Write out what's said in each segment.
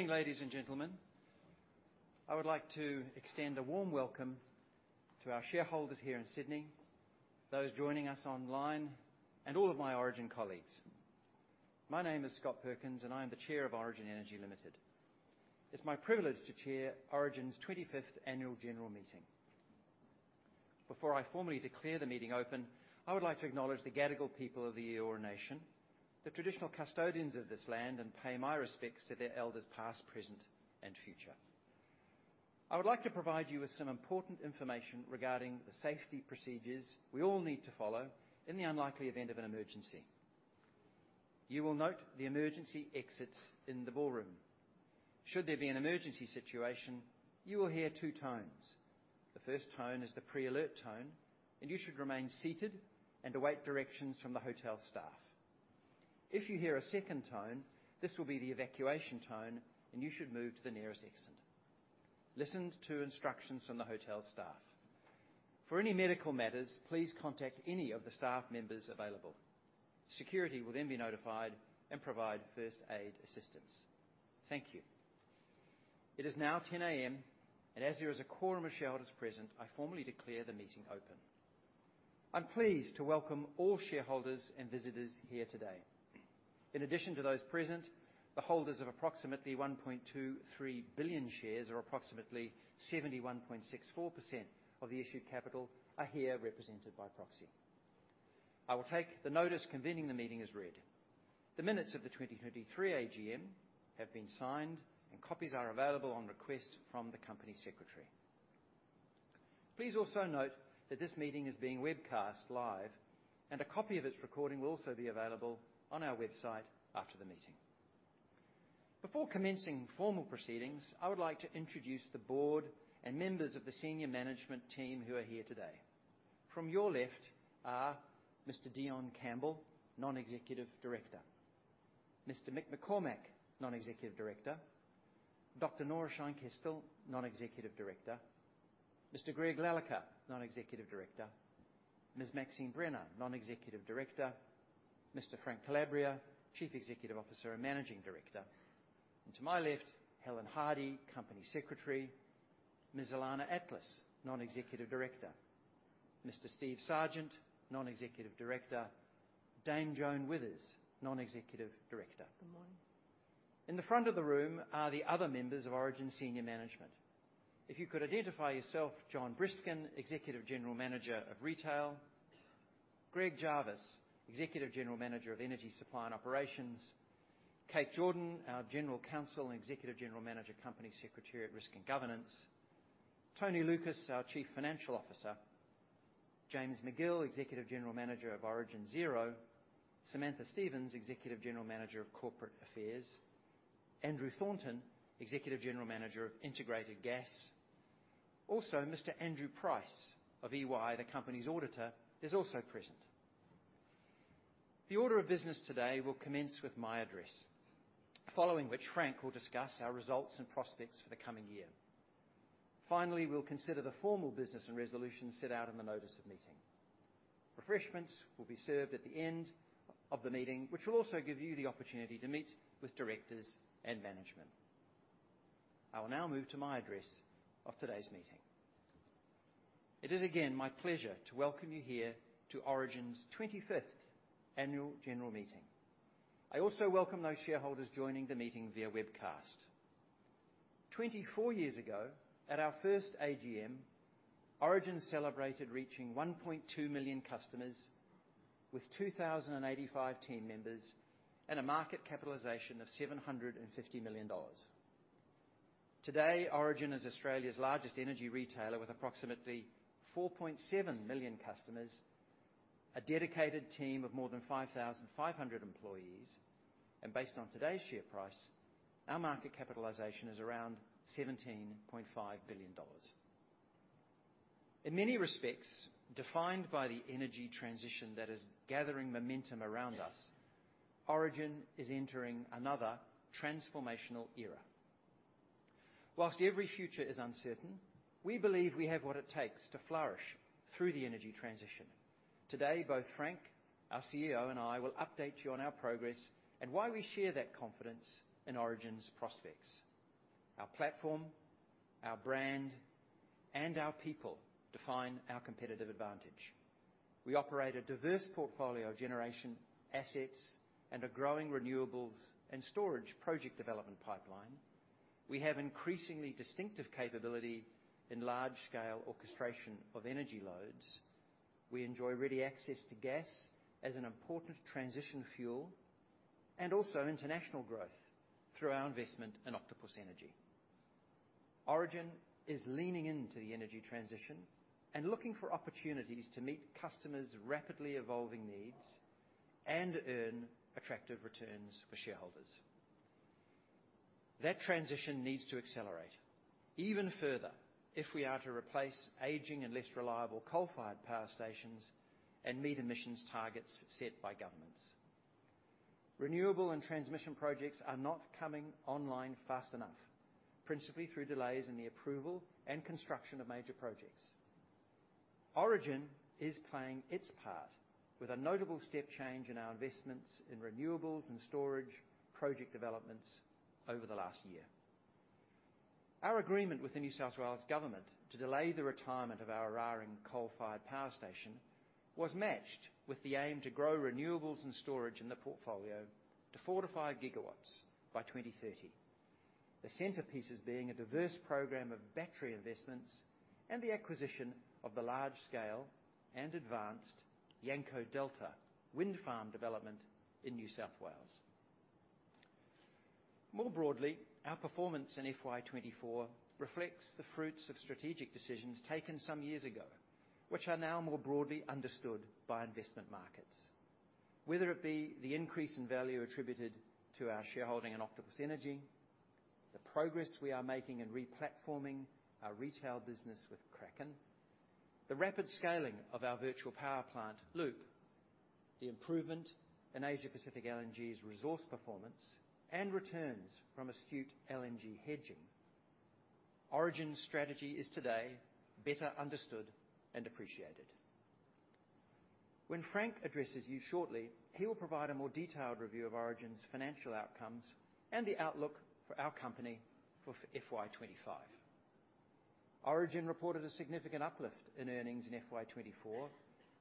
Good morning, ladies and gentlemen. I would like to extend a warm welcome to our shareholders here in Sydney, those joining us online, and all of my Origin colleagues. My name is Scott Perkins, and I am the Chair of Origin Energy Limited. It's my privilege to chair Origin's Twenty-Fifth Annual General Meeting. Before I formally declare the meeting open, I would like to acknowledge the Gadigal people of the Eora Nation, the traditional custodians of this land, and pay my respects to their elders, past, present, and future. I would like to provide you with some important information regarding the safety procedures we all need to follow in the unlikely event of an emergency. You will note the emergency exits in the ballroom. Should there be an emergency situation, you will hear two tones. The first tone is the pre-alert tone, and you should remain seated and await directions from the hotel staff. If you hear a second tone, this will be the evacuation tone, and you should move to the nearest exit. Listen to instructions from the hotel staff. For any medical matters, please contact any of the staff members available. Security will then be notified and provide first aid assistance. Thank you. It is now 10:00 A.M., and as there is a quorum of shareholders present, I formally declare the meeting open. I'm pleased to welcome all shareholders and visitors here today. In addition to those present, the holders of approximately 1.23 billion shares, or approximately 71.64% of the issued capital, are here represented by proxy. I will take the notice convening the meeting as read. The minutes of the 2023 AGM have been signed and copies are available on request from the Company Secretary. Please also note that this meeting is being webcast live, and a copy of its recording will also be available on our website after the meeting. Before commencing formal proceedings, I would like to introduce the board and members of the senior management team who are here today. From your left are Mr. Dion Campbell, Non-Executive Director, Mr. Mick McCormack, Non-Executive Director, Dr. Nora Scheinkestel, Non-Executive Director, Mr. Greg Lalicker, Non-Executive Director, Ms. Maxine Brenner, Non-Executive Director, Mr. Frank Calabria, Chief Executive Officer and Managing Director, and to my left, Helen Hardy, Company Secretary, Ms. Ilana Atlas, Non-Executive Director, Mr. Steve Sargent, Non-Executive Director, Dame Joan Withers, Non-Executive Director. Good morning. In the front of the room are the other members of Origin Senior Management. If you could identify yourself, Jon Briskin, Executive General Manager of Retail, Greg Jarvis, Executive General Manager of Energy Supply and Operations, Kate Jordan, our General Counsel and Executive General Manager, Company Secretariat, at Risk and Governance, Tony Lucas, our Chief Financial Officer, James Magill, Executive General Manager of Origin Zero, Samantha Stevens, Executive General Manager of Corporate Affairs, Andrew Thornton, Executive General Manager of Integrated Gas. Also, Mr. Andrew Price of EY, the company's auditor, is also present. The order of business today will commence with my address, following which Frank will discuss our results and prospects for the coming year. Finally, we'll consider the formal business and resolutions set out in the notice of meeting. Refreshments will be served at the end of the meeting, which will also give you the opportunity to meet with directors and management. I will now move to my address of today's meeting. It is again my pleasure to welcome you here to Origin's 25th Annual General Meeting. I also welcome those shareholders joining the meeting via webcast. Twenty-four years ago, at our first AGM, Origin celebrated reaching 1.2 million customers with 2,085 team members and a market capitalization of 750 million dollars. Today, Origin is Australia's largest energy retailer, with approximately 4.7 million customers, a dedicated team of more than 5,500 employees, and based on today's share price, our market capitalization is around 17.5 billion dollars. In many respects, defined by the energy transition that is gathering momentum around us, Origin is entering another transformational era. While every future is uncertain, we believe we have what it takes to flourish through the energy transition. Today, both Frank, our CEO, and I will update you on our progress and why we share that confidence in Origin's prospects. Our platform, our brand, and our people define our competitive advantage. We operate a diverse portfolio of generation, assets, and a growing renewables and storage project development pipeline. We have increasingly distinctive capability in large-scale orchestration of energy loads. We enjoy ready access to gas as an important transition fuel, and also international growth through our investment in Octopus Energy. Origin is leaning into the energy transition and looking for opportunities to meet customers' rapidly evolving needs and earn attractive returns for shareholders. That transition needs to accelerate even further if we are to replace aging and less reliable coal-fired power stations and meet emissions targets set by governments. Renewable and transmission projects are not coming online fast enough, principally through delays in the approval and construction of major projects. Origin is playing its part with a notable step change in our investments in renewables and storage project developments over the last year. Our agreement with the New South Wales government to delay the retirement of our Eraring Power Station was matched with the aim to grow renewables and storage in the portfolio to four to five gigawatts by twenty thirty. The centerpieces being a diverse program of battery investments and the acquisition of the large scale and advanced Yanco Delta Wind Farm development in New South Wales. More broadly, our performance in FY twenty-four reflects the fruits of strategic decisions taken some years ago, which are now more broadly understood by investment markets. Whether it be the increase in value attributed to our shareholding in Octopus Energy, the progress we are making in re-platforming our retail business with Kraken, the rapid scaling of our virtual power plant, Loop, the improvement in Australia Pacific LNG's resource performance and returns from astute LNG hedging. Origin's strategy is today better understood and appreciated. When Frank addresses you shortly, he will provide a more detailed review of Origin's financial outcomes and the outlook for our company for FY twenty-five. Origin reported a significant uplift in earnings in FY twenty-four,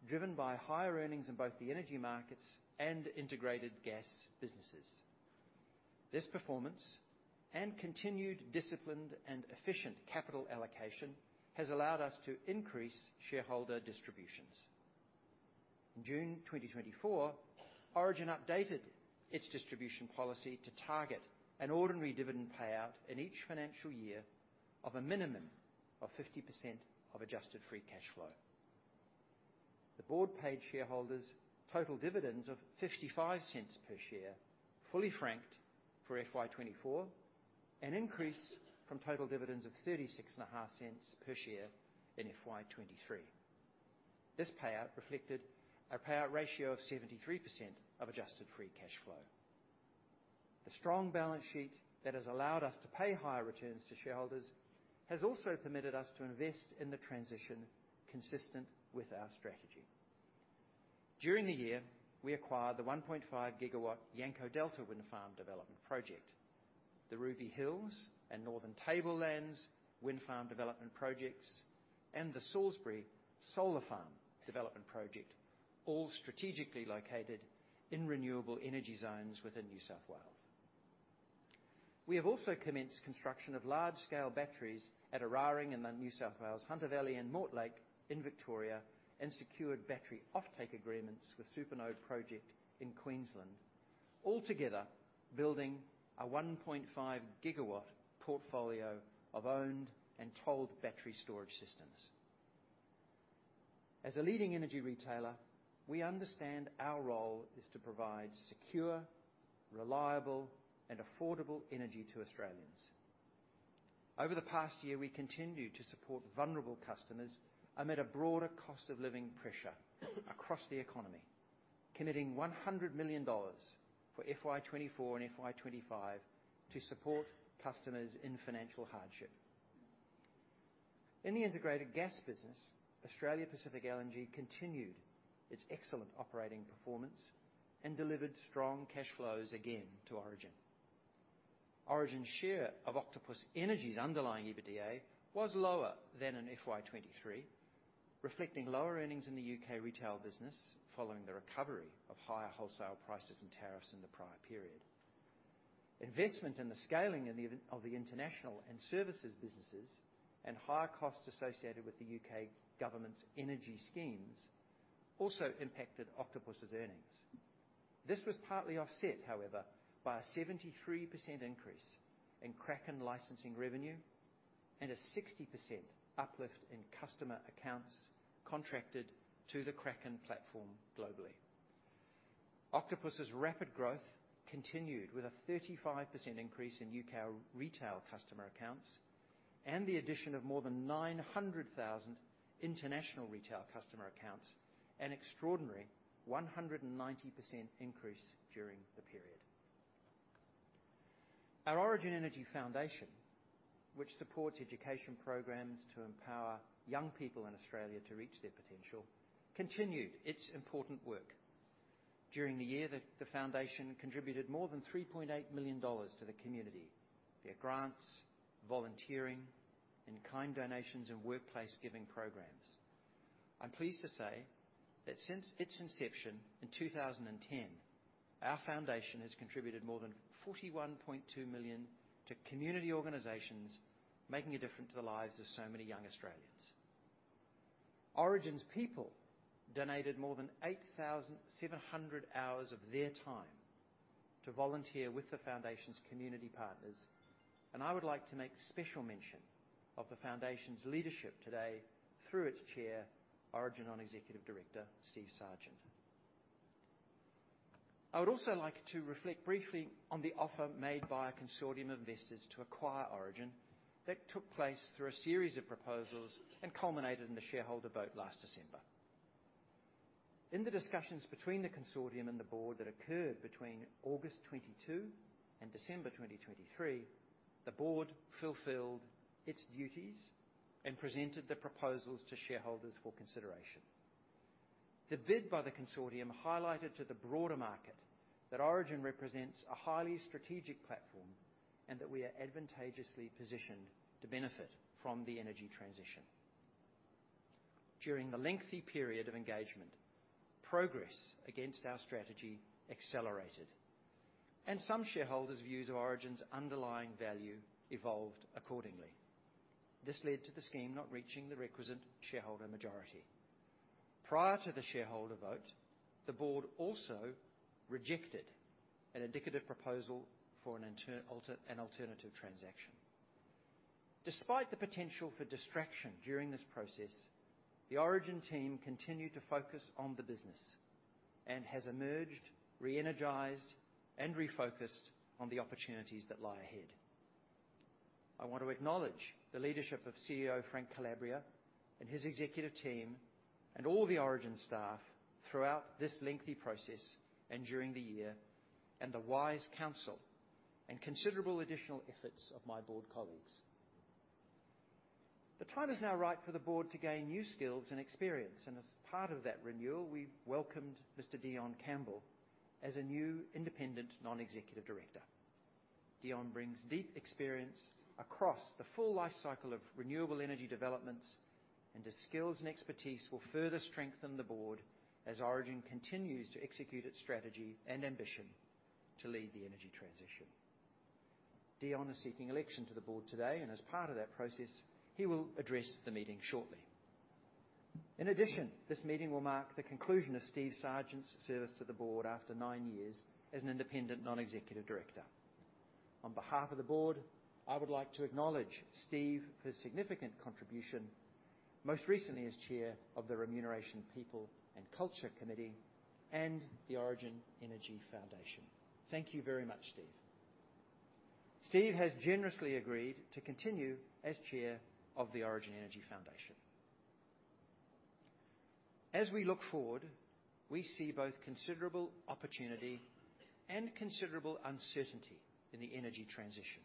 driven by higher earnings in both the Energy Markets and Integrated Gas businesses. This performance and continued disciplined and efficient capital allocation has allowed us to increase shareholder distributions. In June 2024, Origin updated its distribution policy to target an ordinary dividend payout in each financial year of a minimum of 50% of Adjusted Free Cash Flow. The board paid shareholders total dividends of 0.55 per share, fully franked for FY 2024, an increase from total dividends of 0.365 per share in FY 2023. This payout reflected a payout ratio of 73% of Adjusted Free Cash Flow. The strong balance sheet that has allowed us to pay higher returns to shareholders has also permitted us to invest in the transition consistent with our strategy. During the year, we acquired the 1.5-gigawatt Yanco Delta Wind Farm development project, the Ruby Hills and Northern Tablelands Wind Farm development projects, and the Salisbury Solar Farm development project, all strategically located in renewable energy zones within New South Wales. We have also commenced construction of large-scale batteries at Eraring in New South Wales, Hunter Valley and Mortlake in Victoria, and secured battery offtake agreements with Supernode project in Queensland, altogether building a 1.5 gigawatt portfolio of owned and tolled battery storage systems. As a leading energy retailer, we understand our role is to provide secure, reliable, and affordable energy to Australians. Over the past year, we continued to support vulnerable customers amid a broader cost of living pressure across the economy, committing 100 million dollars for FY 2024 and FY 2025 to support customers in financial hardship. In the integrated gas business, Australia Pacific LNG continued its excellent operating performance and delivered strong cash flows again to Origin. Origin's share of Octopus Energy's underlying EBITDA was lower than in FY 2023, reflecting lower earnings in the UK retail business, following the recovery of higher wholesale prices and tariffs in the prior period. Investment in the scaling of the international and services businesses and higher costs associated with the UK government's energy schemes also impacted Octopus's earnings. This was partly offset, however, by a 73% increase in Kraken licensing revenue and a 60% uplift in customer accounts contracted to the Kraken platform globally. Octopus's rapid growth continued with a 35% increase in UK retail customer accounts and the addition of more than nine hundred thousand international retail customer accounts, an extraordinary 190% increase during the period. Our Origin Energy Foundation, which supports education programs to empower young people in Australia to reach their potential, continued its important work. During the year, the foundation contributed more than 3.8 million dollars to the community via grants, volunteering, in-kind donations, and workplace giving programs. I'm pleased to say that since its inception in 2010, our foundation has contributed more than 41.2 million to community organizations, making a difference to the lives of so many young Australians. Origin's people donated more than 8,700 hours of their time to volunteer with the foundation's community partners, and I would like to make special mention of the foundation's leadership today through its chair, Origin Non-Executive Director, Steve Sargent. I would also like to reflect briefly on the offer made by a consortium of investors to acquire Origin that took place through a series of proposals and culminated in the shareholder vote last December. In the discussions between the consortium and the board that occurred between August 2022 and December 2023, the board fulfilled its duties and presented the proposals to shareholders for consideration. The bid by the consortium highlighted to the broader market that Origin represents a highly strategic platform, and that we are advantageously positioned to benefit from the energy transition. During the lengthy period of engagement, progress against our strategy accelerated, and some shareholders' views of Origin's underlying value evolved accordingly. This led to the scheme not reaching the requisite shareholder majority. Prior to the shareholder vote, the board also rejected an indicative proposal for an alternative transaction. Despite the potential for distraction during this process, the Origin team continued to focus on the business and has emerged re-energized and refocused on the opportunities that lie ahead. I want to acknowledge the leadership of CEO Frank Calabria and his executive team, and all the Origin staff throughout this lengthy process and during the year, and the wise counsel and considerable additional efforts of my board colleagues. The time is now right for the board to gain new skills and experience, and as part of that renewal, we welcomed Mr Dion Campbell as a new independent, non-executive director. Dion brings deep experience across the full life cycle of renewable energy developments, and his skills and expertise will further strengthen the board as Origin continues to execute its strategy and ambition to lead the energy transition. Dion is seeking election to the board today, and as part of that process, he will address the meeting shortly. In addition, this meeting will mark the conclusion of Steve Sargent's service to the board after nine years as an independent, non-executive director. On behalf of the board, I would like to acknowledge Steve for his significant contribution, most recently as chair of the Remuneration, People, and Culture Committee and the Origin Energy Foundation. Thank you very much, Steve. Steve has generously agreed to continue as chair of the Origin Energy Foundation. As we look forward, we see both considerable opportunity and considerable uncertainty in the energy transition.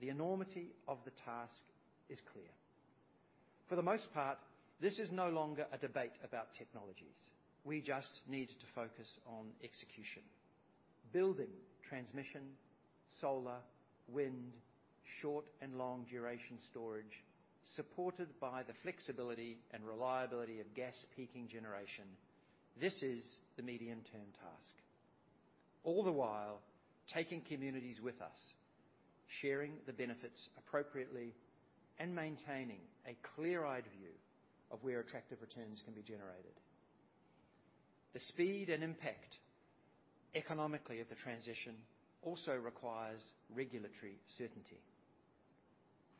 The enormity of the task is clear. For the most part, this is no longer a debate about technologies. We just need to focus on execution, building transmission, solar, wind, short and long duration storage, supported by the flexibility and reliability of gas peaking generation. This is the medium-term task. All the while, taking communities with us, sharing the benefits appropriately, and maintaining a clear-eyed view of where attractive returns can be generated. The speed and impact, economically, of the transition also requires regulatory certainty.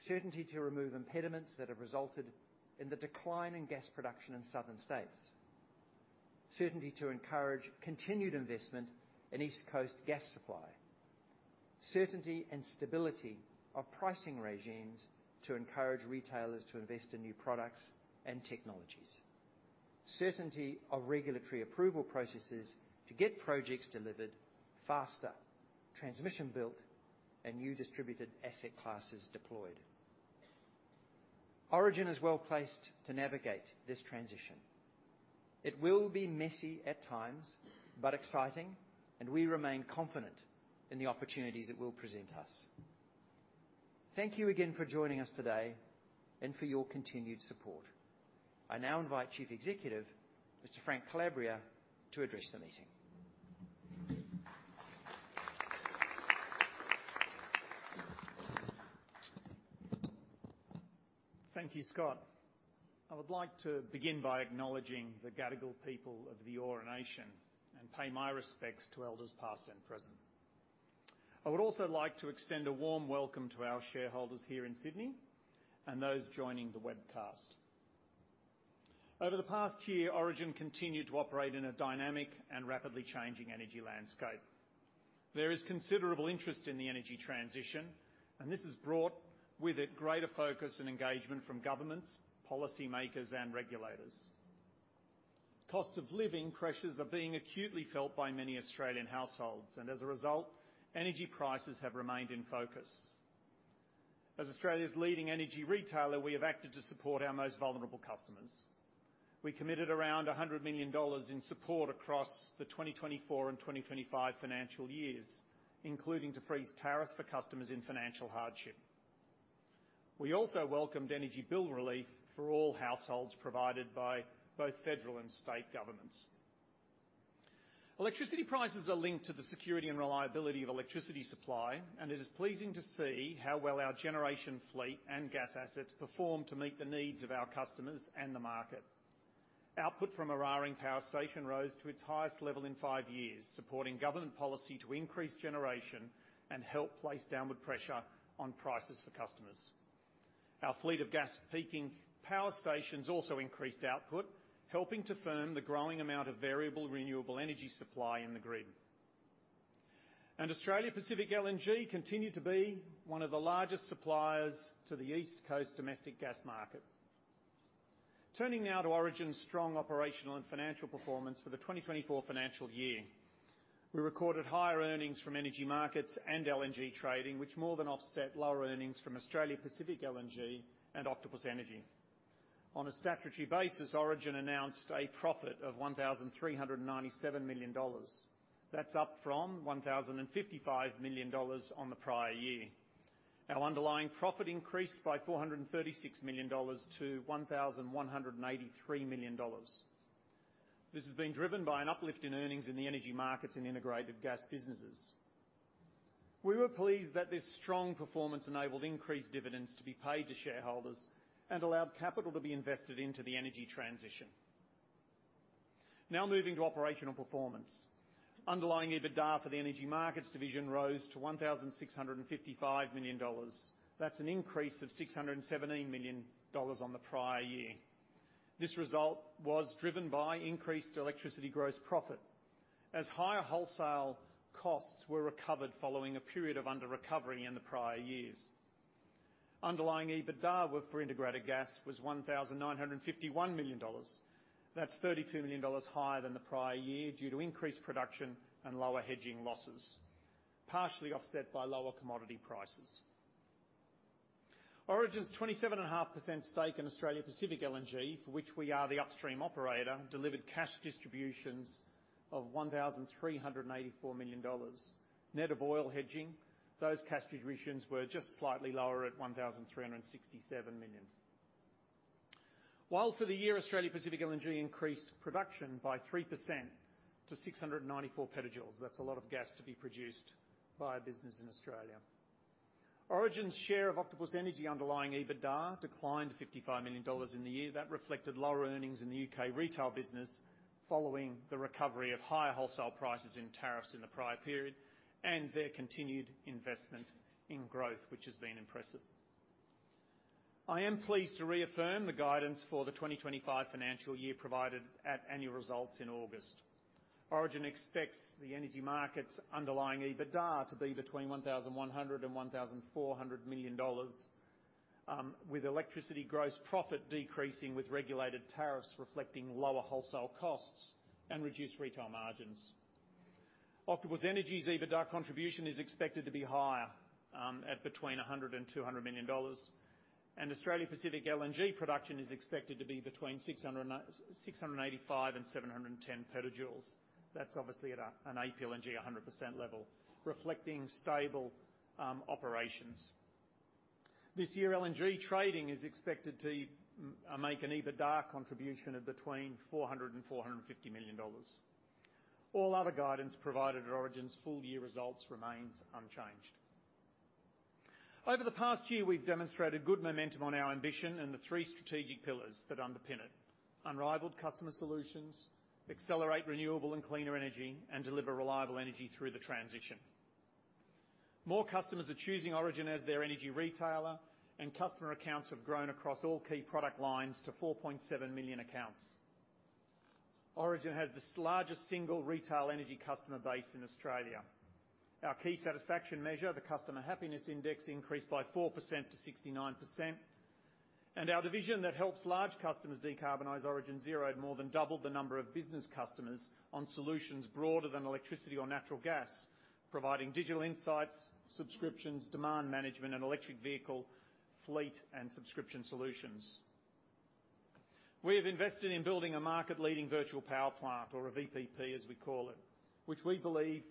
Certainty to remove impediments that have resulted in the decline in gas production in southern states. Certainty to encourage continued investment in East Coast gas supply. Certainty and stability of pricing regimes to encourage retailers to invest in new products and technologies. Certainty of regulatory approval processes to get projects delivered faster, transmission built, and new distributed asset classes deployed. Origin is well-placed to navigate this transition. It will be messy at times, but exciting, and we remain confident in the opportunities it will present us. Thank you again for joining us today and for your continued support. I now invite Chief Executive, Mr. Frank Calabria, to address the meeting. Thank you, Scott. I would like to begin by acknowledging the Gadigal people of the Eora Nation and pay my respects to elders, past and present. I would also like to extend a warm welcome to our shareholders here in Sydney and those joining the webcast. Over the past year, Origin continued to operate in a dynamic and rapidly changing energy landscape. There is considerable interest in the energy transition, and this has brought with it greater focus and engagement from governments, policymakers, and regulators. Cost of living pressures are being acutely felt by many Australian households, and as a result, energy prices have remained in focus. As Australia's leading energy retailer, we have acted to support our most vulnerable customers. We committed around 100 million dollars in support across the 2024 and 2025 financial years, including to freeze tariffs for customers in financial hardship. We also welcomed energy bill relief for all households provided by both federal and state governments. Electricity prices are linked to the security and reliability of electricity supply, and it is pleasing to see how well our generation fleet and gas assets perform to meet the needs of our customers and the market. Output from Eraring Power Station rose to its highest level in five years, supporting government policy to increase generation and help place downward pressure on prices for customers. Our fleet of gas peaking power stations also increased output, helping to firm the growing amount of variable renewable energy supply in the grid. And Australia Pacific LNG continued to be one of the largest suppliers to the East Coast domestic gas market. Turning now to Origin's strong operational and financial performance for the twenty twenty-four financial year. We recorded higher earnings from energy markets and LNG trading, which more than offset lower earnings from Australia Pacific LNG and Octopus Energy. On a statutory basis, Origin announced a profit of 1,397 million dollars. That's up from 1,055 million dollars on the prior year. Our underlying profit increased by 436 million dollars to 1,183 million dollars. This has been driven by an uplift in earnings in the energy markets and integrated gas businesses. We were pleased that this strong performance enabled increased dividends to be paid to shareholders and allowed capital to be invested into the energy transition. Now, moving to operational performance. Underlying EBITDA for the energy markets division rose to 1,655 million dollars. That's an increase of 617 million dollars on the prior year. This result was driven by increased electricity gross profit, as higher wholesale costs were recovered following a period of under recovery in the prior years. Underlying EBITDA for integrated gas was 1,951 million dollars. That's 32 million dollars higher than the prior year due to increased production and lower hedging losses, partially offset by lower commodity prices. Origin's 27.5% stake in Australia Pacific LNG, for which we are the upstream operator, delivered cash distributions of 1,384 million dollars. Net of oil hedging, those cash distributions were just slightly lower at 1,367 million. While for the year, Australia Pacific LNG increased production by 3% to 694 petajoules. That's a lot of gas to be produced by a business in Australia. Origin's share of Octopus Energy underlying EBITDA declined 55 million dollars in the year. That reflected lower earnings in the U.K. retail business, following the recovery of higher wholesale prices and tariffs in the prior period, and their continued investment in growth, which has been impressive. I am pleased to reaffirm the guidance for the 2025 financial year provided at annual results in August. Origin expects the energy market's underlying EBITDA to be between 1,100 million dollars and AUD 1,400 million, with electricity gross profit decreasing, with regulated tariffs reflecting lower wholesale costs and reduced retail margins. Octopus Energy's EBITDA contribution is expected to be higher at between 100 million dollars and AUD 200 million, and Australia Pacific LNG production is expected to be between 685 and 710 petajoules. That's obviously at an APLNG 100% level, reflecting stable operations. This year, LNG trading is expected to make an EBITDA contribution of between 400 million dollars and AUD 450 million. All other guidance provided at Origin's full year results remains unchanged. Over the past year, we've demonstrated good momentum on our ambition and the three strategic pillars that underpin it: unrivaled customer solutions, accelerate renewable and cleaner energy, and deliver reliable energy through the transition. More customers are choosing Origin as their energy retailer, and customer accounts have grown across all key product lines to 4.7 million accounts. Origin has the largest single retail energy customer base in Australia. Our key satisfaction measure, the Customer Happiness Index, increased by 4% to 69%, and our division that helps large customers decarbonize, Origin Zero, more than doubled the number of business customers on solutions broader than electricity or natural gas, providing digital insights, subscriptions, demand management, and electric vehicle fleet and subscription solutions. We have invested in building a market-leading virtual power plant, or a VPP, as we call it, which we believe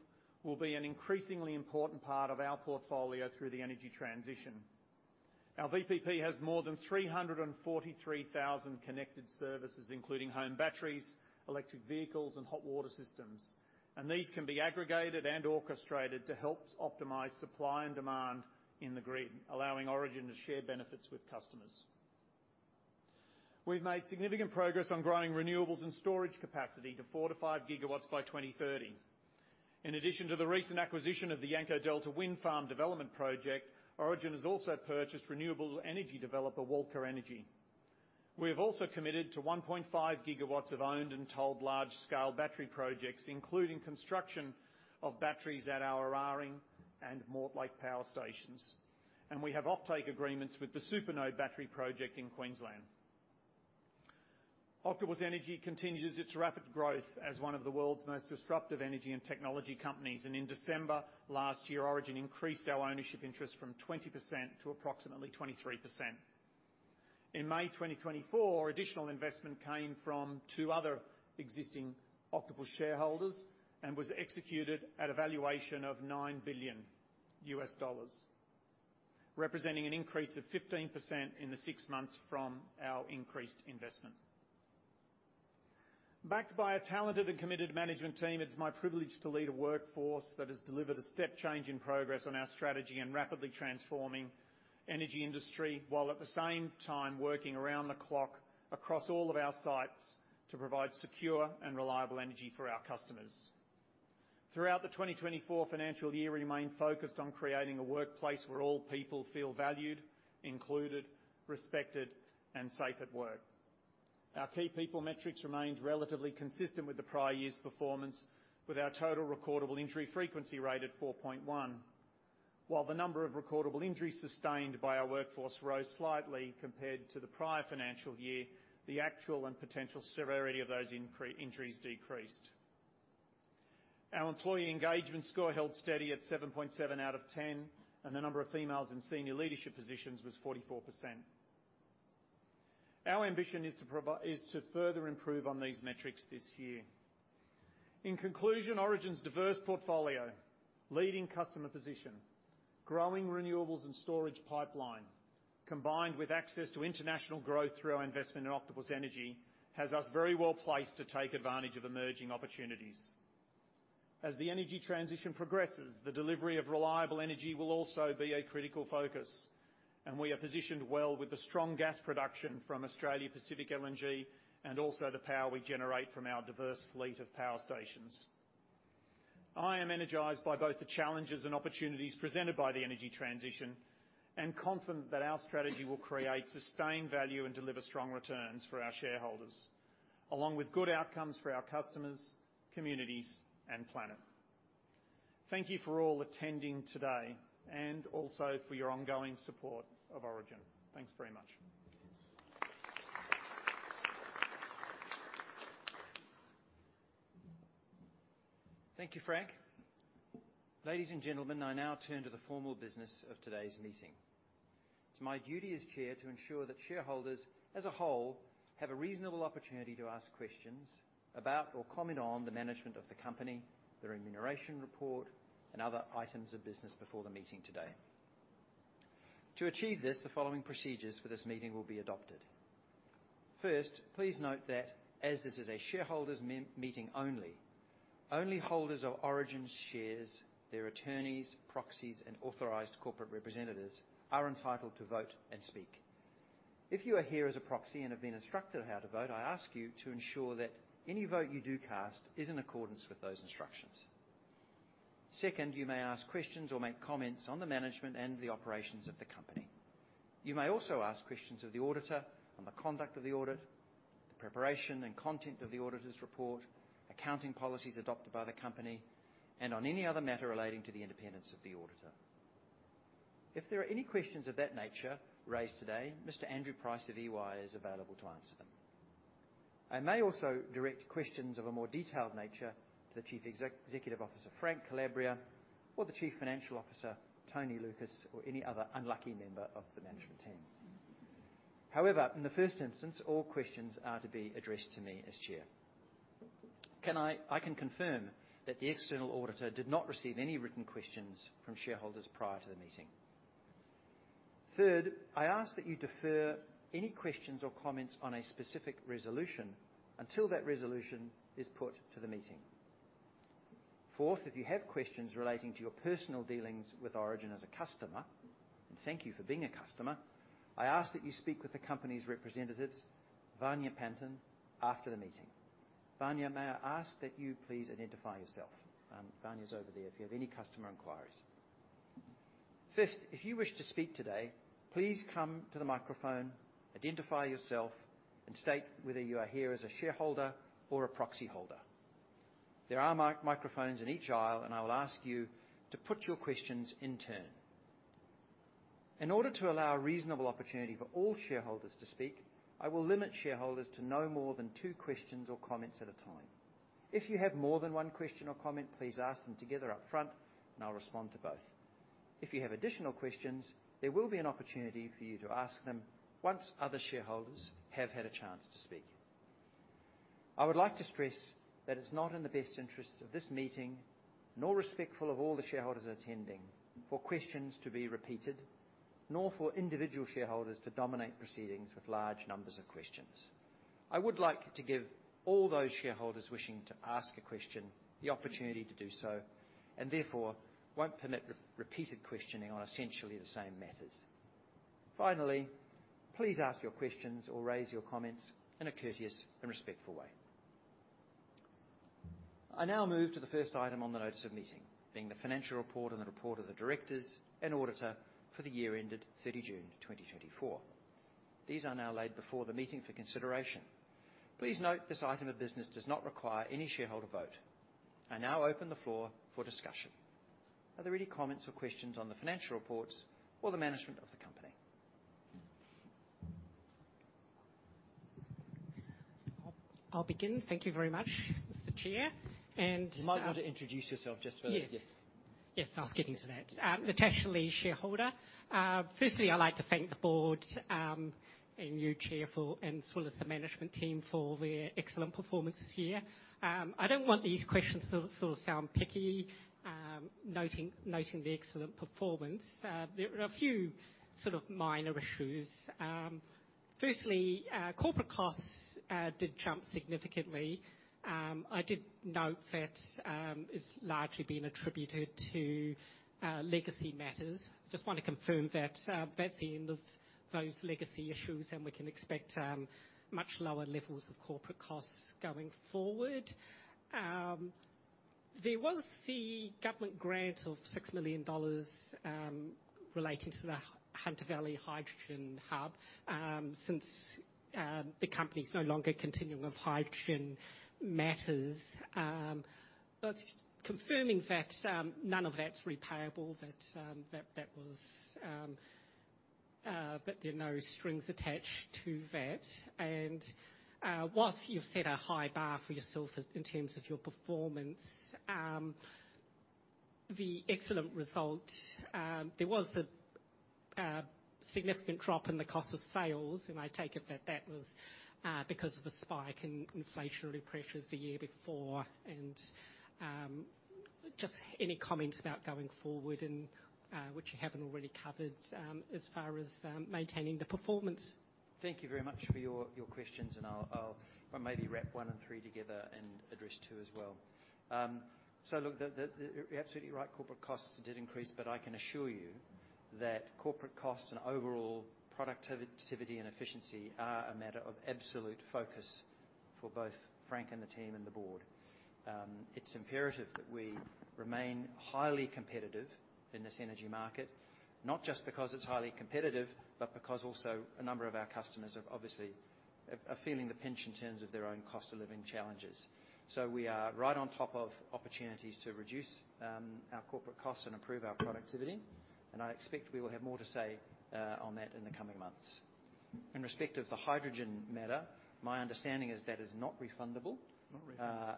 will be an increasingly important part of our portfolio through the energy transition. FOur VPP has more than 343,000 connected services, including home batteries, electric vehicles, and hot water systems, and these can be aggregated and orchestrated to help optimize supply and demand in the grid, allowing Origin to share benefits with customers. We've made significant progress on growing renewables and storage capacity to 45 GW by 2030. In addition to the recent acquisition of the Yanco Delta Wind Farm development project, Origin has also purchased renewable energy developer Walcha Energy. We have also committed to 1.5 GW of owned and tolled large-scale battery projects, including construction of batteries at our Eraring and Mortlake power stations, and we have offtake agreements with the Supernode battery project in Queensland. Octopus Energy continues its rapid growth as one of the world's most disruptive energy and technology companies, and in December last year, Origin increased our ownership interest from 20% to approximately 23%. In May 2024, additional investment came from two other existing Octopus shareholders and was executed at a valuation of $9 billion, representing an increase of 15% in the six months from our increased investment. Backed by a talented and committed management team, it is my privilege to lead a workforce that has delivered a step change in progress on our strategy and rapidly transforming energy industry, while at the same time working around the clock across all of our sites to provide secure and reliable energy for our customers. Throughout the 2024 Financial Year, we remained focused on creating a workplace where all people feel valued, included, respected, and safe at work. Our key people metrics remained relatively consistent with the prior year's performance, with our total recordable injury frequency rate at 4.1. While the number of recordable injuries sustained by our workforce rose slightly compared to the prior financial year, the actual and potential severity of those injuries decreased. Our employee engagement score held steady at 7.7 out of 10, and the number of females in senior leadership positions was 44%. Our ambition is to further improve on these metrics this year. In conclusion, Origin's diverse portfolio, leading customer position, growing renewables and storage pipeline, combined with access to international growth through our investment in Octopus Energy, has us very well placed to take advantage of emerging opportunities. As the energy transition progresses, the delivery of reliable energy will also be a critical focus, and we are positioned well with the strong gas production from Australia Pacific LNG and also the power we generate from our diverse fleet of power stations. I am energized by both the challenges and opportunities presented by the energy transition and confident that our strategy will create sustained value and deliver strong returns for our shareholders, along with good outcomes for our customers, communities, and planet. Thank you for all attending today, and also for your ongoing support of Origin. Thanks very much. Thank you, Frank. Ladies and gentlemen, I now turn to the formal business of today's meeting. It's my duty as chair to ensure that shareholders as a whole have a reasonable opportunity to ask questions about or comment on the management of the company, the remuneration report, and other items of business before the meeting today. To achieve this, the following procedures for this meeting will be adopted. First, please note that as this is a shareholders' meeting only, only holders of Origin shares, their attorneys, proxies, and authorized corporate representatives are entitled to vote and speak. If you are here as a proxy and have been instructed how to vote, I ask you to ensure that any vote you do cast is in accordance with those instructions. Second, you may ask questions or make comments on the management and the operations of the company. You may also ask questions of the auditor on the conduct of the audit, the preparation and content of the auditor's report, accounting policies adopted by the company, and on any other matter relating to the independence of the auditor. If there are any questions of that nature raised today, Mr. Andrew Price of EY is available to answer them. I may also direct questions of a more detailed nature to the Chief Executive Officer, Frank Calabria, or the Chief Financial Officer, Tony Lucas, or any other unlucky member of the management team. However, in the first instance, all questions are to be addressed to me as chair. I can confirm that the external auditor did not receive any written questions from shareholders prior to the meeting. Third, I ask that you defer any questions or comments on a specific resolution until that resolution is put to the meeting. Fourth, if you have questions relating to your personal dealings with Origin as a customer, and thank you for being a customer, I ask that you speak with the company's representatives, Vanya Pantin, after the meeting. Vanya, may I ask that you please identify yourself? Vanya's over there if you have any customer inquiries. Fifth, if you wish to speak today, please come to the microphone, identify yourself, and state whether you are here as a shareholder or a proxy holder. There are microphones in each aisle, and I will ask you to put your questions in turn. In order to allow reasonable opportunity for all shareholders to speak, I will limit shareholders to no more than two questions or comments at a time. If you have more than one question or comment, please ask them together up front, and I'll respond to both. If you have additional questions, there will be an opportunity for you to ask them once other shareholders have had a chance to speak. I would like to stress that it's not in the best interest of this meeting, nor respectful of all the shareholders attending, for questions to be repeated, nor for individual shareholders to dominate proceedings with large numbers of questions. I would like to give all those shareholders wishing to ask a question, the opportunity to do so, and therefore, won't permit the repeated questioning on essentially the same matters. Finally, please ask your questions or raise your comments in a courteous and respectful way. I now move to the first item on the notice of meeting, being the financial report and the report of the directors and auditor for the year ended 30 June 2024. These are now laid before the meeting for consideration. Please note, this item of business does not require any shareholder vote. I now open the floor for discussion. Are there any comments or questions on the financial reports or the management of the company? I'll begin. Thank you very much, Mr. Chair, and You might want to introduce yourself just for- Yes. Yes. Yes, I was getting to that. Natasha Lee, shareholder. Firstly, I'd like to thank the board, and you, Chair, for and as well as the management team for their excellent performance this year. I don't want these questions to, sort of, sound picky, noting the excellent performance. There are a few sort of minor issues. Firstly, corporate costs did jump significantly. I did note that, it's largely been attributed to legacy matters. Just want to confirm that, that's the end of those legacy issues, and we can expect much lower levels of corporate costs going forward. There was the government grant of 6 million dollars relating to the Hunter Valley Hydrogen Hub. Since the company's no longer continuing with hydrogen matters, but confirming that none of that's repayable, that there are no strings attached to that. And while you've set a high bar for yourself in terms of your performance, the excellent result, there was a significant drop in the cost of sales, and I take it that was because of the spike in inflationary pressures the year before. And just any comments about going forward and which you haven't already covered, as far as maintaining the performance? Thank you very much for your questions, and I'll maybe wrap one and three together and address two as well. So look, you're absolutely right, corporate costs did increase, but I can assure you that corporate costs and overall productivity and efficiency are a matter of absolute focus for both Frank and the team and the board. It's imperative that we remain highly competitive in this energy market, not just because it's highly competitive, but because also a number of our customers have obviously are feeling the pinch in terms of their own cost of living challenges. We are right on top of opportunities to reduce our corporate costs and improve our productivity, and I expect we will have more to say on that in the coming months. In respect of the hydrogen matter, my understanding is that it is not refundable. Not refunded.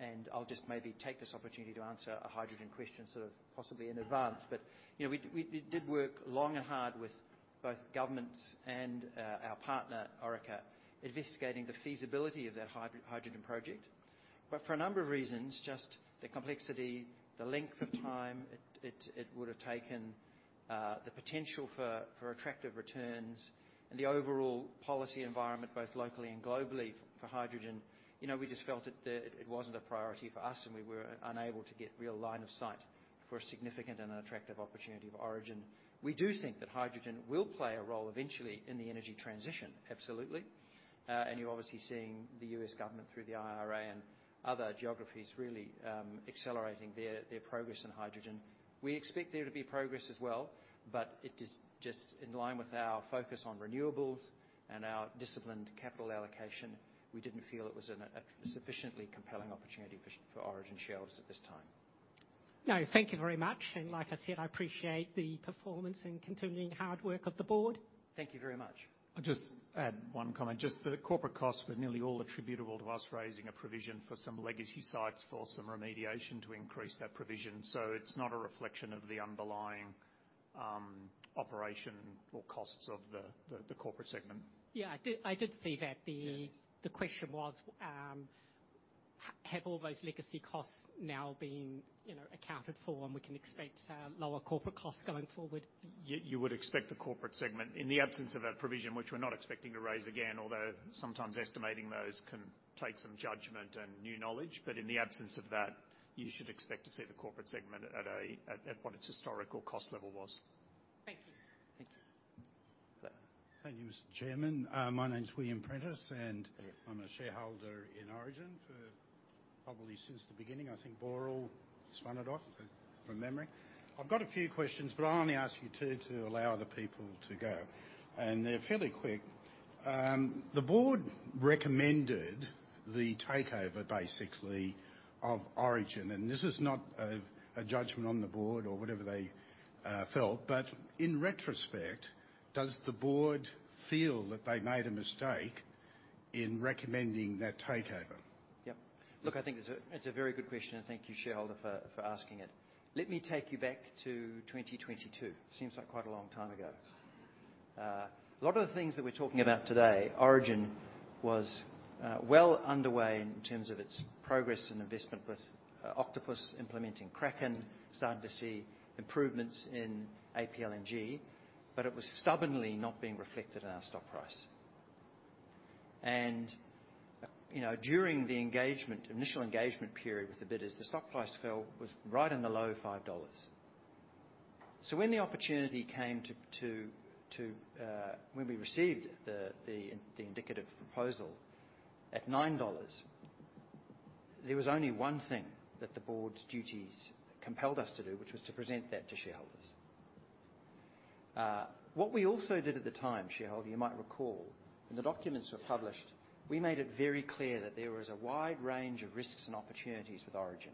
And I'll just maybe take this opportunity to answer a hydrogen question, sort of, possibly in advance. But, you know, we did work long and hard with both governments and our partner, Orica, investigating the feasibility of that hydrogen project. But for a number of reasons, just the complexity, the length of time it would have taken, the potential for attractive returns and the overall policy environment, both locally and globally, for hydrogen, you know, we just felt that it wasn't a priority for us, and we were unable to get real line of sight for a significant and an attractive opportunity of Origin. We do think that hydrogen will play a role eventually in the energy transition, absolutely. And you're obviously seeing the U.S. government, through the IRA and other geographies, really accelerating their progress in hydrogen. We expect there to be progress as well, but it is just in line with our focus on renewables and our disciplined capital allocation. We didn't feel it was a sufficiently compelling opportunity for Origin itself at this time. No, thank you very much, and like I said, I appreciate the performance and continuing hard work of the board. Thank you very much. I'll just add one comment. Just the corporate costs were nearly all attributable to us raising a provision for some legacy sites for some remediation to increase that provision. So it's not a reflection of the underlying operation or costs of the corporate segment. Yeah, I did. I did see that. Yes. The question was, have all those legacy costs now been, you know, accounted for, and we can expect lower corporate costs going forward? You would expect the corporate segment, in the absence of a provision, which we're not expecting to raise again, although sometimes estimating those can take some judgment and new knowledge, but in the absence of that, you should expect to see the corporate segment at what its historical cost level was. Thank you. Thank you. Thank you, Mr. Chairman. My name is William Prentice, and- Yes. I am a shareholder in Origin for probably since the beginning. I think Boral spun it off, from memory. I've got a few questions, but I'll only ask you two to allow other people to go, and they're fairly quick. The board recommended the takeover, basically, of Origin, and this is not a judgment on the board or whatever they felt, but in retrospect, does the board feel that they made a mistake in recommending that takeover? Yep. Look, I think it's a very good question, and thank you, shareholder, for asking it. Let me take you back to twenty twenty-two. Seems like quite a long time ago. A lot of the things that we're talking about today, Origin was well underway in terms of its progress and investment with Octopus implementing Kraken, starting to see improvements in APLNG, but it was stubbornly not being reflected in our stock price. And you know, during the engagement, initial engagement period with the bidders, the stock price fell, was right in the low 5 dollars. So when the opportunity came to when we received the indicative proposal at 9 dollars, there was only one thing that the board's duties compelled us to do, which was to present that to shareholders. What we also did at the time, shareholder, you might recall, when the documents were published, we made it very clear that there was a wide range of risks and opportunities with Origin.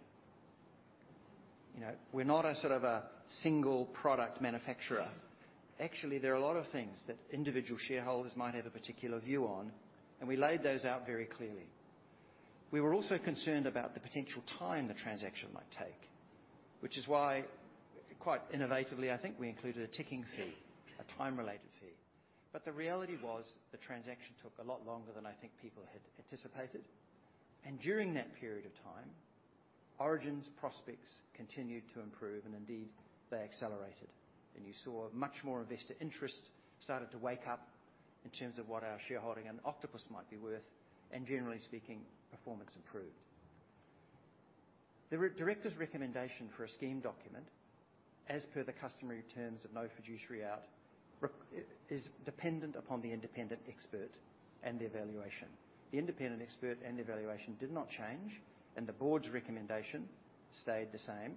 You know, we're not a sort of a single product manufacturer. Actually, there are a lot of things that individual shareholders might have a particular view on, and we laid those out very clearly. We were also concerned about the potential time the transaction might take, which is why, quite innovatively, I think we included a ticking fee, a time-related fee. But the reality was the transaction took a lot longer than I think people had anticipated, and during that period of time, Origin's prospects continued to improve, and indeed, they accelerated. You saw much more investor interest started to wake up in terms of what our shareholding and Octopus might be worth, and generally speaking, performance improved. The director's recommendation for a scheme document, as per the customary terms of no fiduciary out, is dependent upon the independent expert and their valuation. The independent expert and the valuation did not change, and the board's recommendation stayed the same,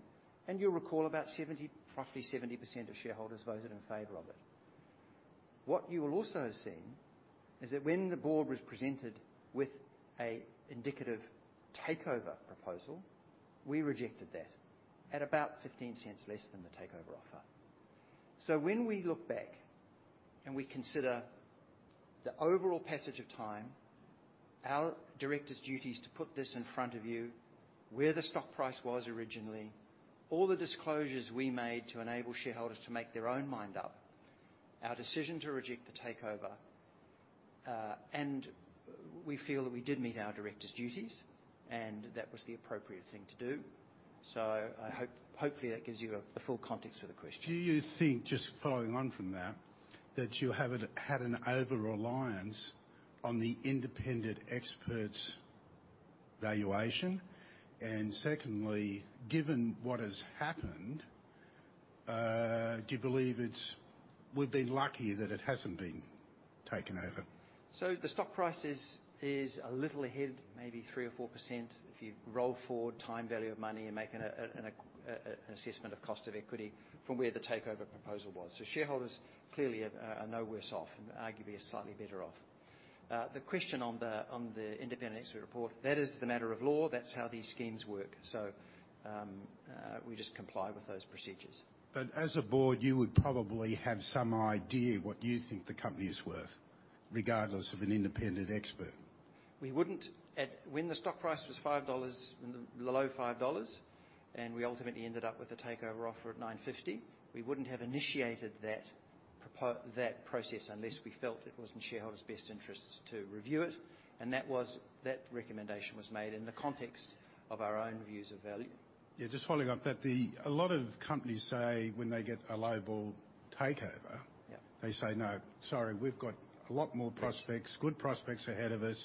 and you'll recall about 70, roughly 70% of shareholders voted in favor of it. What you will also have seen is that when the board was presented with a indicative takeover proposal, we rejected that at about 0.15 less than the takeover offer. So when we look back and we consider the overall passage of time, our directors' duty is to put this in front of you, where the stock price was originally, all the disclosures we made to enable shareholders to make their own mind up, our decision to reject the takeover, and we feel that we did meet our directors' duties, and that was the appropriate thing to do. So I hope, hopefully, that gives you the full context for the question. Do you think, just following on from that, that you had an overreliance on the independent expert's valuation? And secondly, given what has happened, do you believe we've been lucky that it hasn't been taken over? So the stock price is a little ahead, maybe 3% or 4%, if you roll forward time value of money and make an assessment of cost of equity from where the takeover proposal was. So shareholders clearly are no worse off, and arguably are slightly better off. The question on the independent expert report, that is the matter of law. That's how these schemes work. So we just comply with those procedures. But as a board, you would probably have some idea what you think the company is worth, regardless of an independent expert. We wouldn't. When the stock price was 5 dollars, below 5 dollars, and we ultimately ended up with a takeover offer at 9.50, we wouldn't have initiated that process unless we felt it was in shareholders' best interests to review it, and that recommendation was made in the context of our own views of value. Yeah, just following up that the... A lot of companies say when they get a lowball takeover- Yeah They say, "No, sorry, we've got a lot more prospects- Yes Good prospects ahead of us."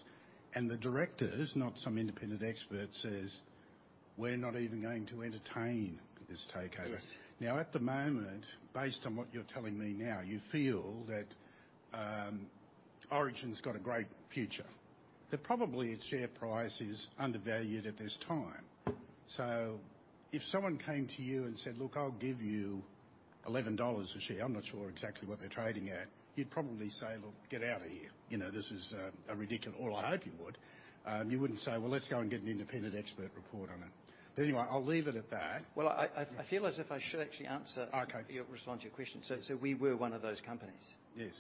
And the directors, not some independent expert, says, "We're not even going to entertain this takeover. Yes. Now, at the moment, based on what you're telling me now, you feel that Origin's got a great future. That probably its share price is undervalued at this time. So if someone came to you and said, "Look, I'll give you 11 dollars a share," I'm not sure exactly what they're trading at, you'd probably say, "Look, get out of here. You know, this is a ridiculous." Or I hope you would. You wouldn't say, "Well, let's go and get an independent expert report on it." But anyway, I'll leave it at that. Well, I feel as if I should actually answer- Okay Respond to your question. So we were one of those companies. Yes.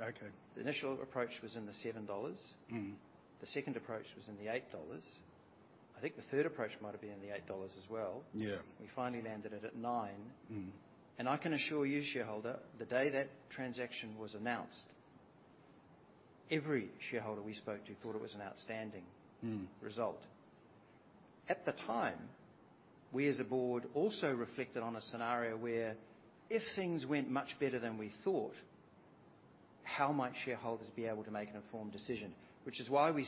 Okay. The initial approach was in the 7 dollars. Mm-hmm. The second approach was in the eight dollars. I think the third approach might have been in the eight dollars as well. Yeah. We finally landed it at nine. Mm. And I can assure you, shareholder, the day that transaction was announced, every shareholder we spoke to thought it was an outstanding- Mm Result. At the time, we as a board also reflected on a scenario where if things went much better than we thought, how might shareholders be able to make an informed decision? Which is why we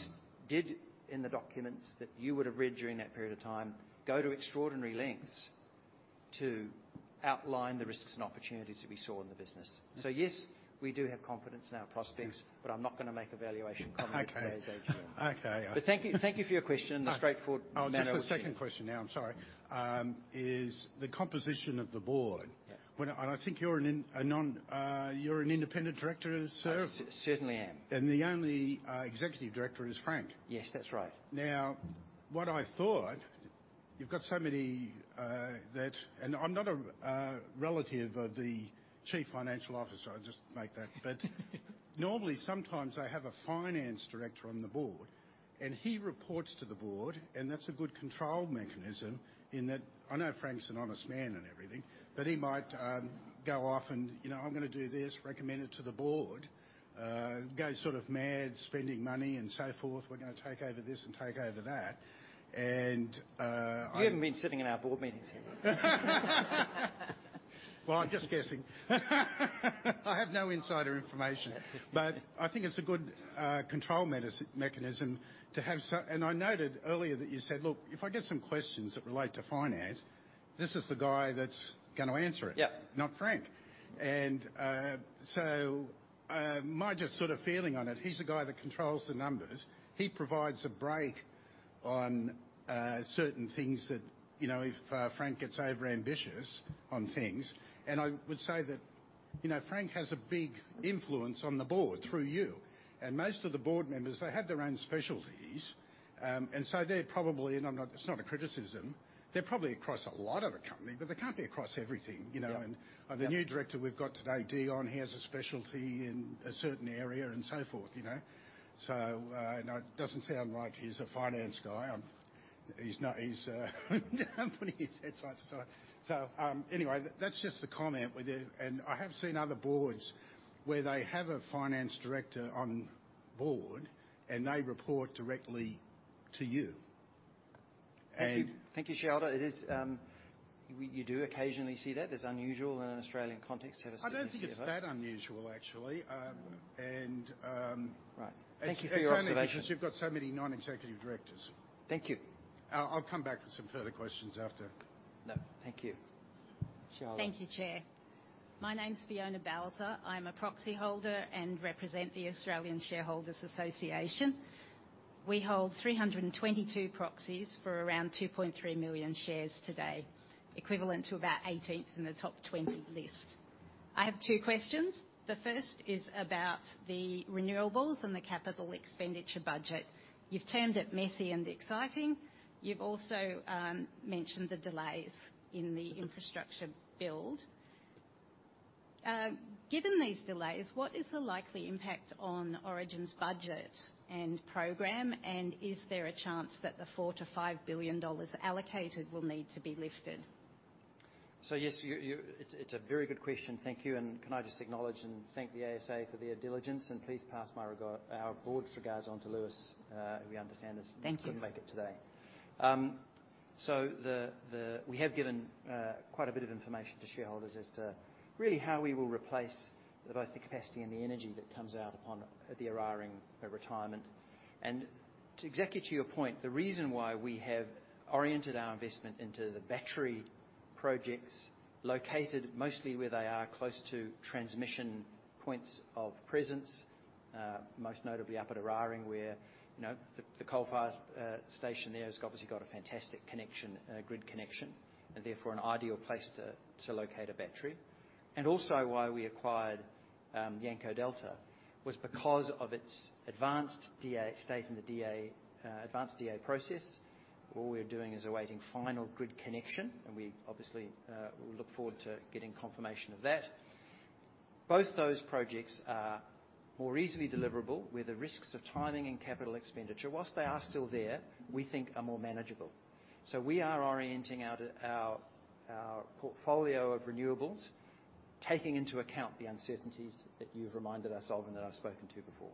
did in the documents that you would have read during that period of time, go to extraordinary lengths to outline the risks and opportunities that we saw in the business. Mm. Yes, we do have confidence in our prospects- Yes but I'm not gonna make a valuation comment. Okay Today as AGM. Okay, I- But thank you, thank you for your question, and a straightforward- Oh, now the second question now, I'm sorry. Is the composition of the board. Yeah. And I think you're an independent director, sir? I certainly am. And the only executive director is Frank. Yes, that's right. Now, what I thought, you've got so many, that. And I'm not a relative of the chief financial officer, I'll just make that—but normally, sometimes I have a finance director on the board, and he reports to the board, and that's a good control mechanism in that, I know Frank's an honest man and everything, but he might go off and, you know, "I'm gonna do this, recommend it to the board." Go sort of mad, spending money and so forth. "We're gonna take over this and take over that." And, I- You haven't been sitting in our board meetings here. I'm just guessing. I have no insider information. Yeah. But I think it's a good control mechanism and I noted earlier that you said, "Look, if I get some questions that relate to finance, this is the guy that's gonna answer it- Yeah Not Frank. And, so, my just sort of feeling on it, he's the guy that controls the numbers. He provides a brake on, certain things that, you know, if, Frank gets overambitious on things. And I would say that, you know, Frank has a big influence on the board through you. And most of the board members, they have their own specialties, and so they're probably, and I'm not, it's not a criticism, they're probably across a lot of the company, but they can't be across everything, you know? Yeah. And the new director we've got today, Dion, he has a specialty in a certain area and so forth, you know? So, now it doesn't sound like he's a finance guy. He's not, he's, I'm putting his head side to side. So, anyway, that's just a comment with it. And I have seen other boards where they have a finance director on board, and they report directly to you. And- Thank you. Thank you, shareholder. You do occasionally see that. It's unusual in an Australian context to have a- I don't think it's that unusual, actually, Right. Thank you for your observation. It's only because you've got so many non-executive directors. Thank you. I'll come back with some further questions after. No, thank you. Thank you, Chair. My name is Fiona Balzer. I'm a proxy holder and represent the Australian Shareholders' Association. We hold 322 proxies for around 2.3 million shares today, equivalent to about 18th in the top 20 list. I have two questions. The first is about the renewables and the capital expenditure budget. You've termed it messy and exciting. You've also mentioned the delays in the infrastructure build. Given these delays, what is the likely impact on Origin's budget and program? And is there a chance that the 4-5 billion dollars allocated will need to be lifted? So, yes, you. It's a very good question. Thank you. And can I just acknowledge and thank the guys for their diligence, and please pass my regard, our board's regards on to Lewis, who we understand has- Thank you. Not made it today. So we have given quite a bit of information to shareholders as to really how we will replace the, both the capacity and the energy that comes out upon the Eraring retirement. And to exactly to your point, the reason why we have oriented our investment into the battery projects, located mostly where they are close to transmission points of presence, most notably up at Eraring, where, you know, the coal-fired station there has obviously got a fantastic connection, good connection, and therefore, an ideal place to locate a battery. And also why we acquired Yanko Delta, was because of its advanced DA state in the DA, advanced DA process. All we're doing is awaiting final grid connection, and we obviously we look forward to getting confirmation of that. Both those projects are more easily deliverable, where the risks of timing and capital expenditure, while they are still there, we think are more manageable. So we are orienting out of our portfolio of renewables, taking into account the uncertainties that you've reminded us of and that I've spoken to before.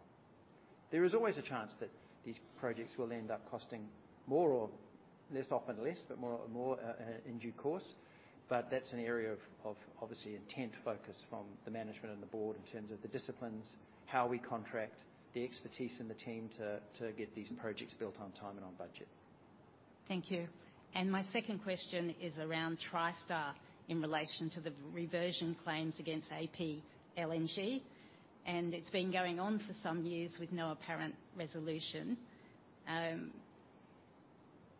There is always a chance that these projects will end up costing more or less, often less, but more in due course. But that's an area of obviously intent focus from the management and the board in terms of the disciplines, how we contract the expertise in the team to get these projects built on time and on budget. Thank you. And my second question is around Tri-Star in relation to the reversion claims against APLNG, and it's been going on for some years with no apparent resolution.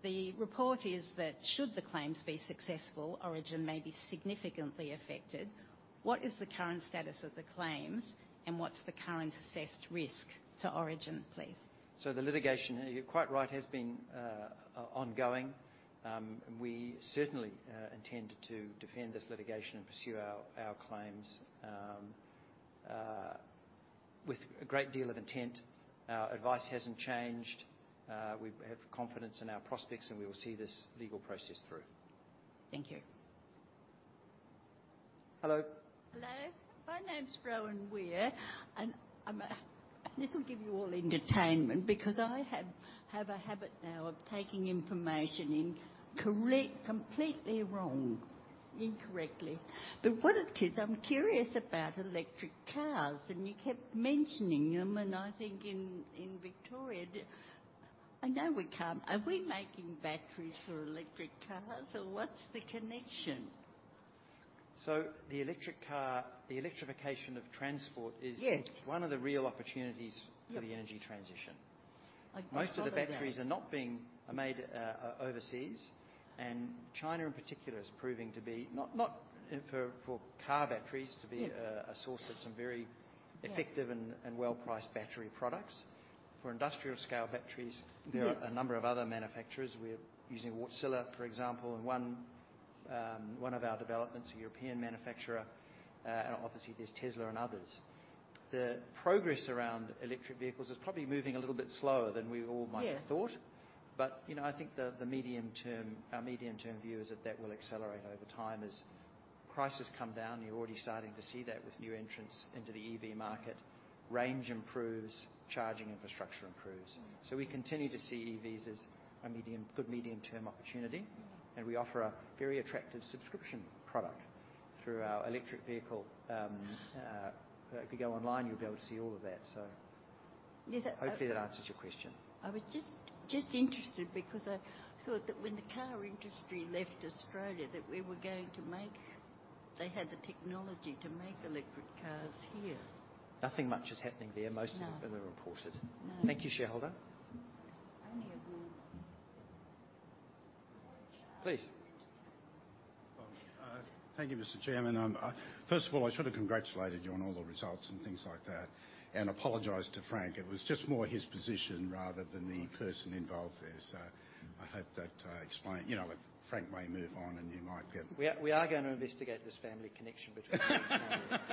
The report is that should the claims be successful, Origin may be significantly affected. What is the current status of the claims, and what's the current assessed risk to Origin, please? The litigation, you're quite right, has been ongoing, and we certainly intend to defend this litigation and pursue our claims with a great deal of intent. Our advice hasn't changed. We have confidence in our prospects, and we will see this legal process through. Thank you. Hello. Hello. My name's Rowan Weir, and this will give you all entertainment because I have a habit now of taking information completely wrong incorrectly. But what it is, I'm curious about electric cars, and you kept mentioning them, and I think in Victoria, I know we can. Are we making batteries for electric cars, or what's the connection? So the electric car, the electrification of transport is- Yes. One of the real opportunities Yes. For the energy transition. Like, most of them. Most of the batteries are not being made overseas, and China, in particular, is proving to be not in for car batteries to be- Yes A source of some very- Yeah Effective and well-priced battery products. For industrial-scale batteries- Yes There are a number of other manufacturers. We're using Wärtsilä, for example, and one of our developments, a European manufacturer, and obviously there's Tesla and others. The progress around electric vehicles is probably moving a little bit slower than we all might have thought. Yes. But, you know, I think the medium term, our medium-term view is that that will accelerate over time as prices come down. You're already starting to see that with new entrants into the EV market. Range improves, charging infrastructure improves. Mm. So we continue to see EVs as a medium, good medium-term opportunity. Yeah. And we offer a very attractive subscription product through our electric vehicle. If you go online, you'll be able to see all of that. So- Yes, I- Hopefully, that answers your question. I was just interested because I thought that when the car industry left Australia, that we were going to make. They had the technology to make electric cars here. Nothing much is happening there. No. Most of them are imported. No. Thank you, shareholder. Any of them. Please. Thank you, Mr. Chairman. First of all, I should have congratulated you on all the results and things like that, and apologize to Frank. It was just more his position rather than the person involved there, so I hope that explains. You know, Frank may move on and you might get- We are going to investigate this family connection between you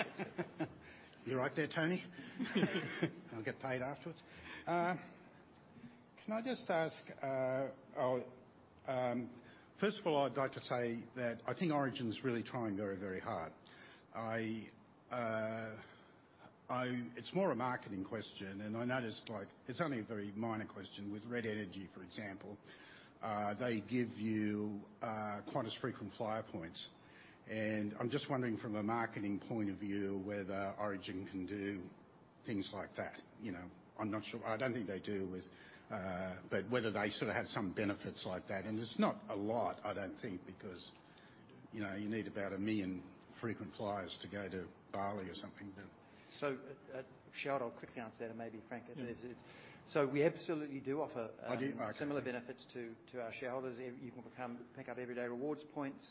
two. You right there, Tony? I'll get paid afterwards. Can I just ask? First of all, I'd like to say that I think Origin is really trying very, very hard. It's more a marketing question, and I noticed, like, it's only a very minor question with Red Energy, for example. They give you Qantas frequent flyer points, and I'm just wondering, from a marketing point of view, whether Origin can do things like that, you know? I'm not sure. I don't think they do with. But whether they sort of have some benefits like that. And it's not a lot, I don't think, because, you know, you need about a million frequent flyers to go to Bali or something to- So, Shareholder, I'll quickly answer, and maybe Frank. So we absolutely do offer, I do? Okay. Similar benefits to our shareholders. You can become, pick up Everyday Rewards points.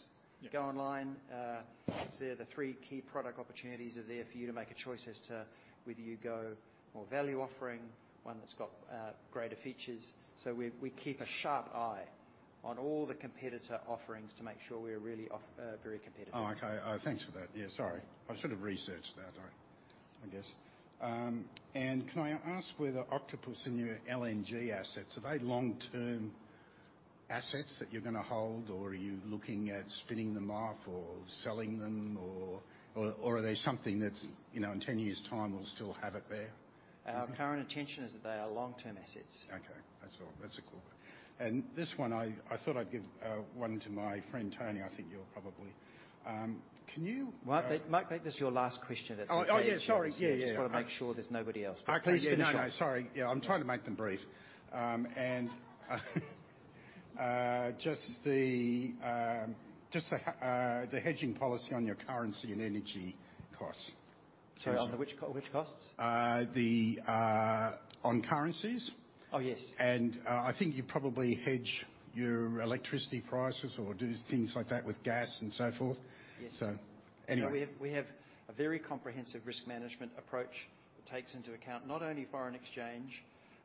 Yeah. Go online. So the three key product opportunities are there for you to make a choice as to whether you go more value offering, one that's got greater features. So we keep a sharp eye on all the competitor offerings to make sure we're really offering very competitive. Oh, okay. Thanks for that. Yeah, sorry. I should have researched that, I guess. And can I ask whether Octopus and your LNG assets are they long-term assets that you're gonna hold, or are you looking at spinning them off or selling them, or, or are they something that's, you know, in ten years' time, we'll still have it there? Our current intention is that they are long-term assets. Okay. That's all. That's cool. And this one, I thought I'd give one to my friend, Tony. I think you'll probably. Can you- Well, Mike, make this your last question. Oh, oh, yeah, sorry. Yeah, yeah. Just wanna make sure there's nobody else. Okay. Yeah, no, no, sorry. Yeah, I'm trying to make them brief. And just the hedging policy on your currency and energy costs. Sorry, on the which costs? On currencies. Oh, yes. I think you probably hedge your electricity prices or do things like that with gas and so forth. Yes. So anyway. We have a very comprehensive risk management approach that takes into account not only foreign exchange,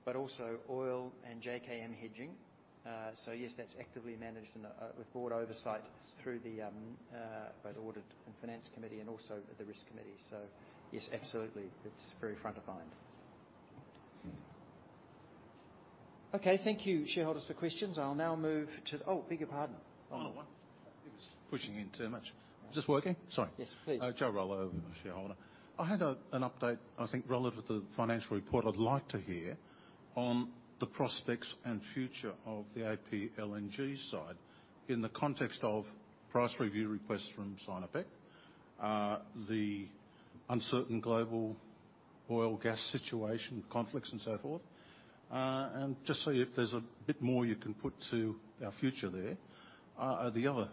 but also oil and JKM hedging. So yes, that's actively managed with broad oversight through both the Audit and Finance Committee and also the Risk Committee. So yes, absolutely, it's very front of mind. Okay, thank you, shareholders, for questions. I'll now move to. Oh, beg your pardon. Oh, one. It was pushing in too much. Is this working? Sorry. Yes, please. Joe Rollo, shareholder. I had an update, I think, relevant to the financial report. I'd like to hear on the prospects and future of the APLNG side in the context of price review requests from Sinopec, the uncertain global oil, gas situation, conflicts, and so forth, and just so if there's a bit more you can put to our future there. The other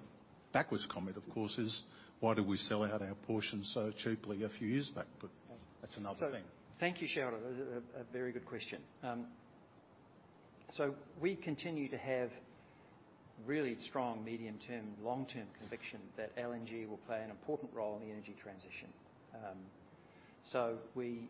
backwards comment, of course, is: Why do we sell out our portion so cheaply a few years back? But that's another thing. So thank you, Shareholder. A, a very good question. So we continue to have really strong medium-term, long-term conviction that LNG will play an important role in the energy transition. So we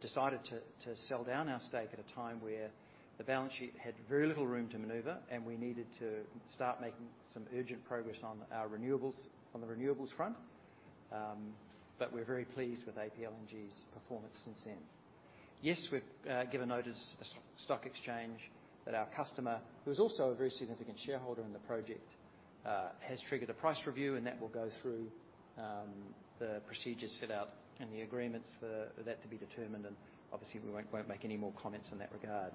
decided to sell down our stake at a time where the balance sheet had very little room to maneuver, and we needed to start making some urgent progress on our renewables, on the renewables front. But we're very pleased with APLNG's performance since then. Yes, we've given notice to the Stock Exchange that our customer, who's also a very significant shareholder in the project, has triggered a price review, and that will go through the procedures set out in the agreements for that to be determined, and obviously, we won't make any more comments in that regard.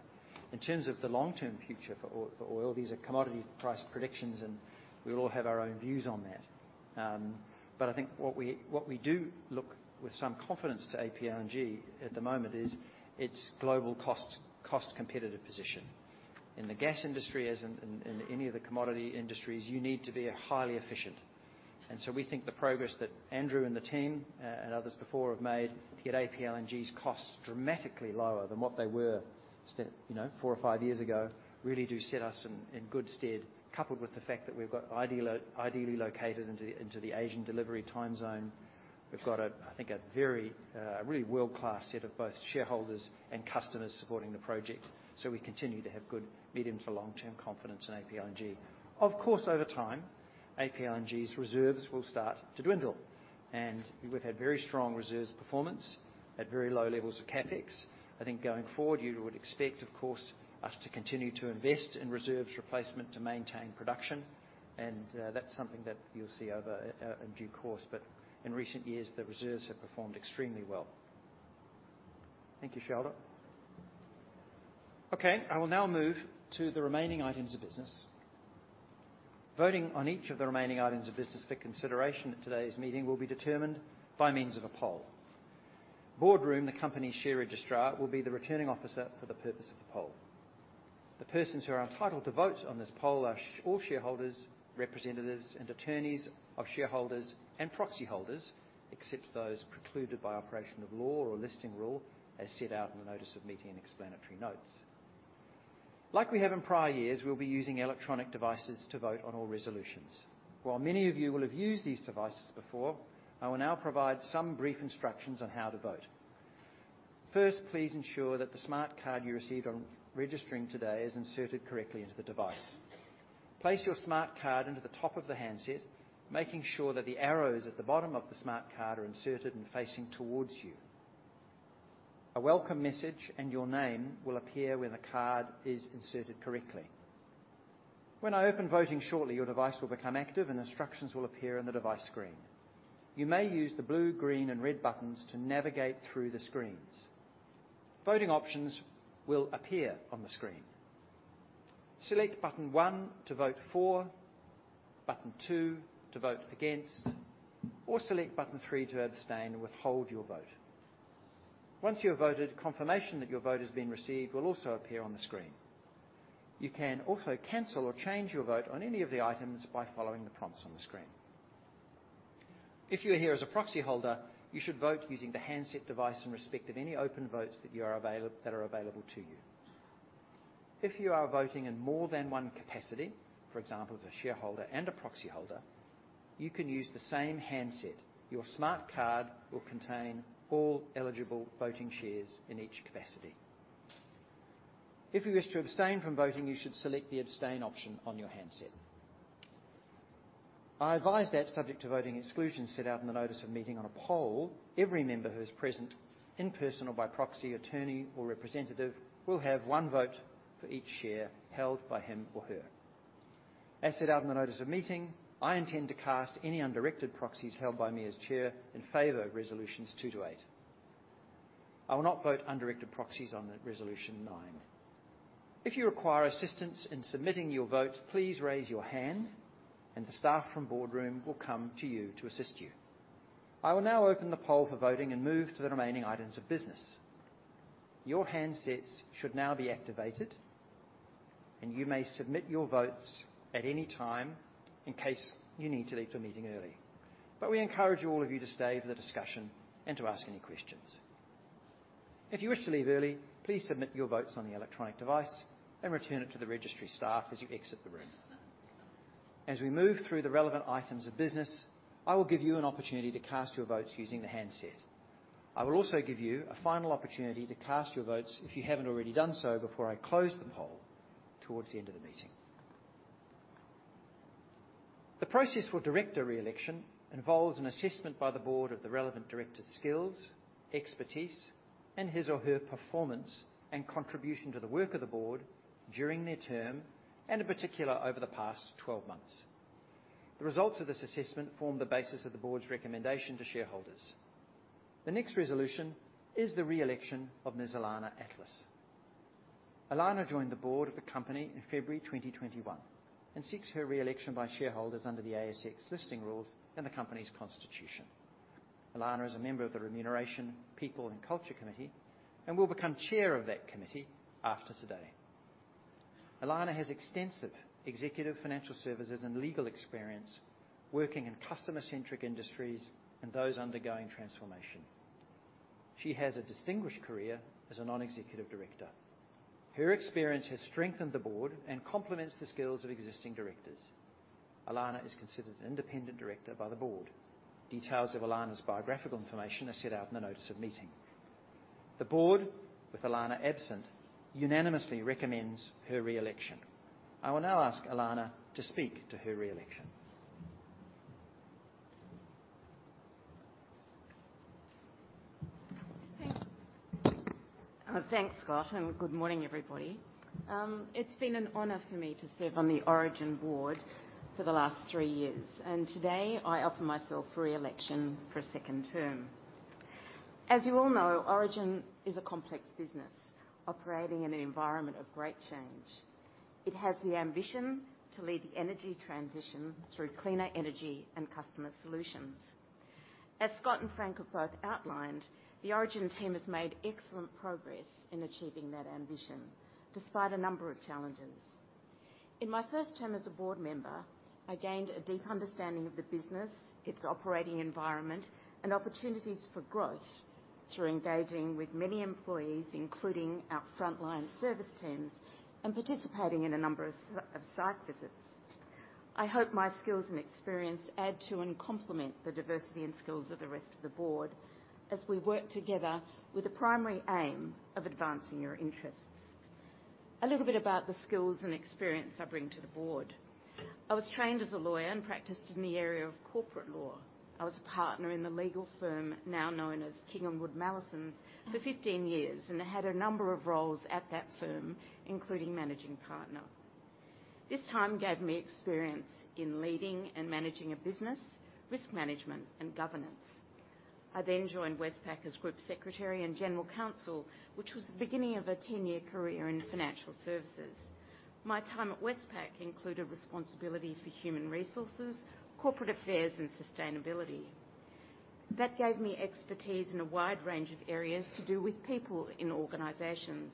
In terms of the long-term future for oil, these are commodity price predictions, and we all have our own views on that. But I think what we do look with some confidence to APLNG at the moment is its global cost competitive position. In the gas industry, as in any of the commodity industries, you need to be highly efficient. And so we think the progress that Andrew and the team and others before have made to get APLNG's costs dramatically lower than what they were still, you know, four or five years ago, really do set us in good stead, coupled with the fact that we've got ideally located into the Asian delivery time zone. We've got, I think, a very really world-class set of both shareholders and customers supporting the project. So we continue to have good medium to long-term confidence in APLNG. Of course, over time, APLNG's reserves will start to dwindle, and we've had very strong reserves performance at very low levels of CapEx. I think going forward, you would expect, of course, us to continue to invest in reserves replacement to maintain production, and that's something that you'll see over, in due course. But in recent years, the reserves have performed extremely well. Thank you, shareholder. Okay, I will now move to the remaining items of business. Voting on each of the remaining items of business for consideration at today's meeting will be determined by means of a poll. Boardroom, the company's share registrar, will be the Returning Officer for the purpose of the poll. The persons who are entitled to vote on this poll are all shareholders, representatives, and attorneys of shareholders and proxy holders, except those precluded by operation of law or listing rule, as set out in the notice of meeting and explanatory notes. Like we have in prior years, we'll be using electronic devices to vote on all resolutions. While many of you will have used these devices before, I will now provide some brief instructions on how to vote. First, please ensure that the smart card you received on registering today is inserted correctly into the device. Place your smart card into the top of the handset, making sure that the arrows at the bottom of the smart card are inserted and facing towards you. A welcome message and your name will appear when the card is inserted correctly. When I open voting shortly, your device will become active, and instructions will appear on the device screen. You may use the blue, green, and red buttons to navigate through the screens. Voting options will appear on the screen. Select button one to vote for, button two to vote against, or select button three to abstain and withhold your vote. Once you have voted, confirmation that your vote has been received will also appear on the screen. You can also cancel or change your vote on any of the items by following the prompts on the screen. If you are here as a proxy holder, you should vote using the handset device in respect of any open votes that are available to you. If you are voting in more than one capacity, for example, as a shareholder and a proxy holder, you can use the same handset. Your smart card will contain all eligible voting shares in each capacity. If you wish to abstain from voting, you should select the Abstain option on your handset. I advise that subject to voting exclusions set out in the Notice of Meeting on a poll, every member who is present, in person or by proxy, attorney, or representative, will have one vote for each share held by him or her. As set out in the Notice of Meeting, I intend to cast any undirected proxies held by me as chair in favor of resolutions two to eight. I will not vote undirected proxies on the resolution nine. If you require assistance in submitting your vote, please raise your hand, and the staff from Boardroom will come to you to assist you. I will now open the poll for voting and move to the remaining items of business. Your handsets should now be activated, and you may submit your votes at any time in case you need to leave the meeting early. But we encourage all of you to stay for the discussion and to ask any questions. If you wish to leave early, please submit your votes on the electronic device and return it to the registry staff as you exit the room. As we move through the relevant items of business, I will give you an opportunity to cast your votes using the handset. I will also give you a final opportunity to cast your votes if you haven't already done so before I close the poll towards the end of the meeting. The process for director re-election involves an assessment by the board of the relevant director's skills, expertise, and his or her performance and contribution to the work of the board during their term, and in particular, over the past twelve months. The results of this assessment form the basis of the board's recommendation to shareholders. The next resolution is the re-election of Ms. Ilana Atlas. Ilana joined the board of the company in February 2021 and seeks her re-election by shareholders under the ASX Listing Rules and the company's constitution. Ilana is a member of the Remuneration, People, and Culture Committee and will become chair of that committee after today. Ilana has extensive executive financial services and legal experience working in customer-centric industries and those undergoing transformation. She has a distinguished career as a non-executive director. Her experience has strengthened the board and complements the skills of existing directors. Ilana is considered an independent director by the board. Details of Ilana's biographical information are set out in the Notice of Meeting. The board, with Ilana absent, unanimously recommends her re-election. I will now ask Ilana to speak to her re-election. Thank you. Thanks, Scott, and good morning, everybody. It's been an honor for me to serve on the Origin board for the last three years, and today I offer myself re-election for a second term. As you all know, Origin is a complex business operating in an environment of great change. It has the ambition to lead the energy transition through cleaner energy and customer solutions. As Scott and Frank have both outlined, the Origin team has made excellent progress in achieving that ambition, despite a number of challenges. In my first term as a board member, I gained a deep understanding of the business, its operating environment, and opportunities for growth through engaging with many employees, including our frontline service teams, and participating in a number of site visits. I hope my skills and experience add to and complement the diversity and skills of the rest of the board as we work together with the primary aim of advancing your interests. A little bit about the skills and experience I bring to the board. I was trained as a lawyer and practiced in the area of corporate law. I was a partner in the legal firm, now known as King & Wood Mallesons, for fifteen years and had a number of roles at that firm, including managing partner. This time gave me experience in leading and managing a business, risk management, and governance. I then joined Westpac as Group Secretary and General Counsel, which was the beginning of a ten-year career in financial services. My time at Westpac included responsibility for human resources, corporate affairs, and sustainability. That gave me expertise in a wide range of areas to do with people in organizations,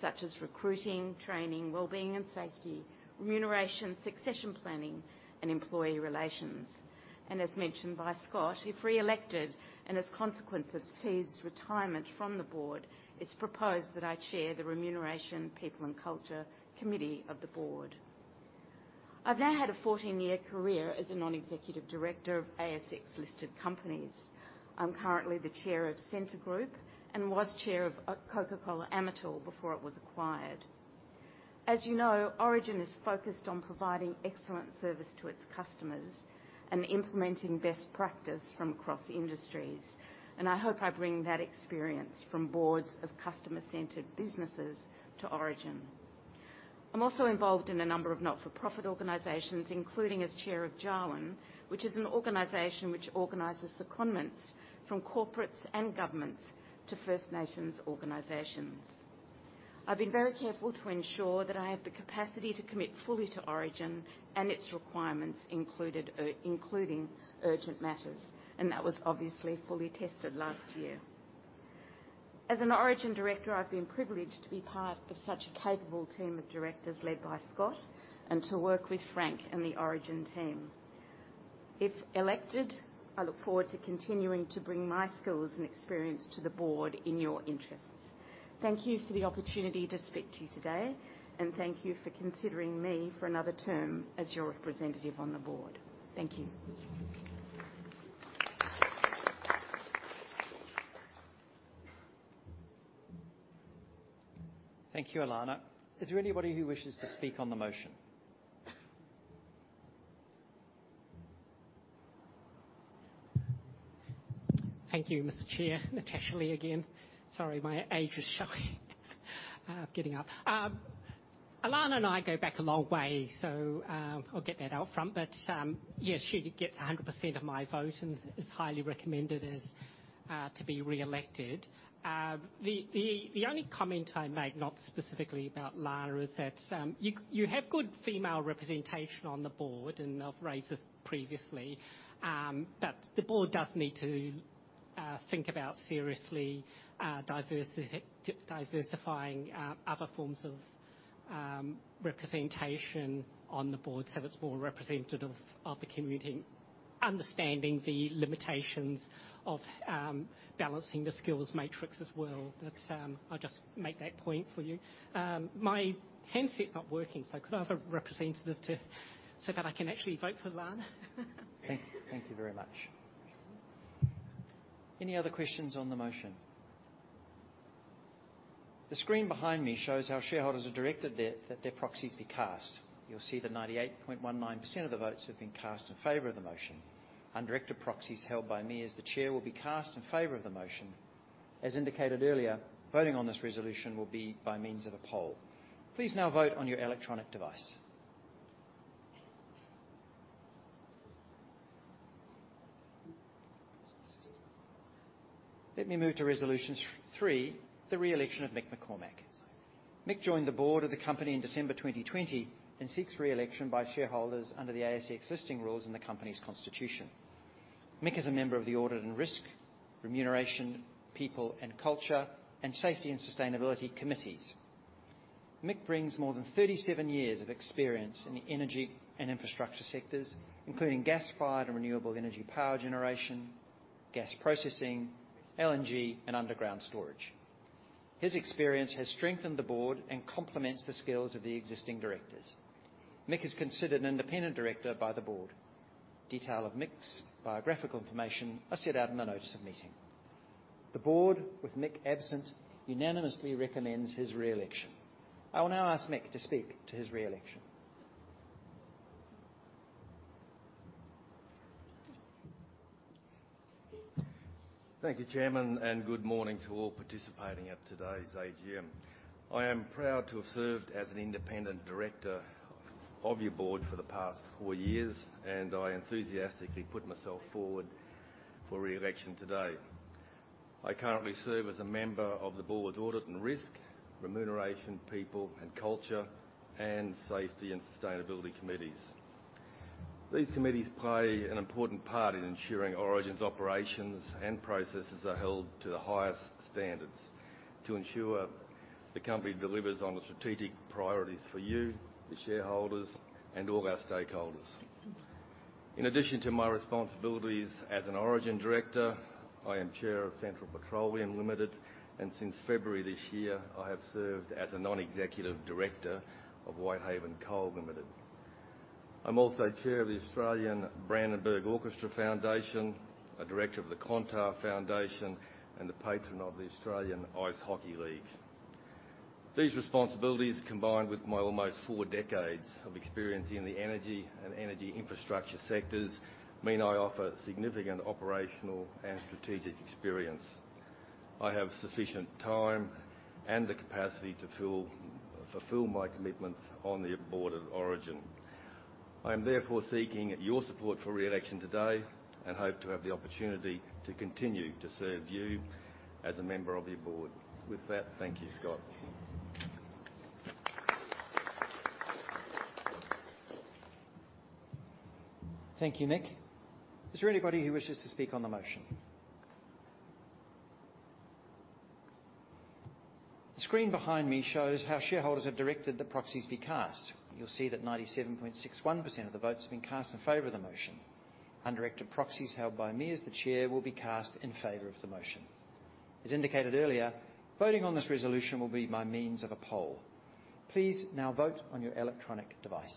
such as recruiting, training, well-being, and safety, remuneration, succession planning, and employee relations. And as mentioned by Scott, if re-elected, and as a consequence of Steve's retirement from the board, it's proposed that I chair the Remuneration, People, and Culture Committee of the board. I've now had a fourteen-year career as a non-executive director of ASX-listed companies. I'm currently the chair of Scentre Group and was chair of Coca-Cola Amatil before it was acquired. As you know, Origin is focused on providing excellent service to its customers and implementing best practice from across industries, and I hope I bring that experience from boards of customer-centered businesses to Origin. I'm also involved in a number of not-for-profit organizations, including as chair of Jawun, which is an organization which organizes secondments from corporates and governments to First Nations organizations. I've been very careful to ensure that I have the capacity to commit fully to Origin and its requirements, including urgent matters, and that was obviously fully tested last year. As an Origin director, I've been privileged to be part of such a capable team of directors led by Scott, and to work with Frank and the Origin team. If elected, I look forward to continuing to bring my skills and experience to the board in your interests. Thank you for the opportunity to speak to you today, and thank you for considering me for another term as your representative on the board. Thank you. Thank you, Ilana. Is there anybody who wishes to speak on the motion? Thank you, Mr. Chair. Natasha Lee again. Sorry, my age is showing. Getting up. Ilana and I go back a long way, so, I'll get that out front. But, yes, she gets 100% of my vote and is highly recommended as, to be re-elected. The only comment I make, not specifically about Ilana, is that, you have good female representation on the board, and I've raised this previously, but the board does need to think about seriously, diversity, diversifying, other forms of representation on the board, so it's more representative of the community, understanding the limitations of balancing the skills matrix as well. But, I'll just make that point for you. My handset's not working, so could I have a representative to... So that I can actually vote for Ilana? Thank you very much. Any other questions on the motion? The screen behind me shows how shareholders have directed that their proxies be cast. You'll see that 98.19% of the votes have been cast in favor of the motion. Undirected proxies held by me as the chair will be cast in favor of the motion. As indicated earlier, voting on this resolution will be by means of a poll. Please now vote on your electronic device. Let me move to Resolution 3, the re-election of Mick McCormack. Mick joined the board of the company in December 2020, and seeks re-election by shareholders under the ASX Listing Rules and the company's constitution. Mick is a member of the Audit and Risk, Remuneration, People and Culture, and Safety and Sustainability committees. Mick brings more than 37 years of experience in the energy and infrastructure sectors, including gas-fired and renewable energy power generation, gas processing, LNG, and underground storage. His experience has strengthened the board and complements the skills of the existing directors. Mick is considered an independent director by the board. Detail of Mick's biographical information are set out in the notice of meeting. The board, with Mick absent, unanimously recommends his re-election. I will now ask Mick to speak to his re-election. Thank you, Chairman, and good morning to all participating at today's AGM. I am proud to have served as an independent director of your board for the past four years, and I enthusiastically put myself forward for re-election today. I currently serve as a member of the board's Audit and Risk, Remuneration, People and Culture, and Safety and Sustainability committees. These committees play an important part in ensuring Origin's operations and processes are held to the highest standards to ensure the company delivers on the strategic priorities for you, the shareholders, and all our stakeholders. In addition to my responsibilities as an Origin director, I am chair of Central Petroleum Limited, and since February this year, I have served as a non-executive director of Whitehaven Coal Limited. I'm also chair of the Australian Brandenburg Orchestra Foundation, a director of the Clontarf Foundation, and the patron of the Australian Ice Hockey League. These responsibilities, combined with my almost four decades of experience in the energy and energy infrastructure sectors, mean I offer significant operational and strategic experience. I have sufficient time and the capacity to fulfill my commitments on the board of Origin. I am therefore seeking your support for re-election today, and hope to have the opportunity to continue to serve you as a member of your board. With that, thank you, Scott. Thank you, Mick. Is there anybody who wishes to speak on the motion? The screen behind me shows how shareholders have directed the proxies be cast. You'll see that 97.61% of the votes have been cast in favor of the motion. Undirected proxies held by me as the chair will be cast in favor of the motion. As indicated earlier, voting on this resolution will be by means of a poll. Please now vote on your electronic device.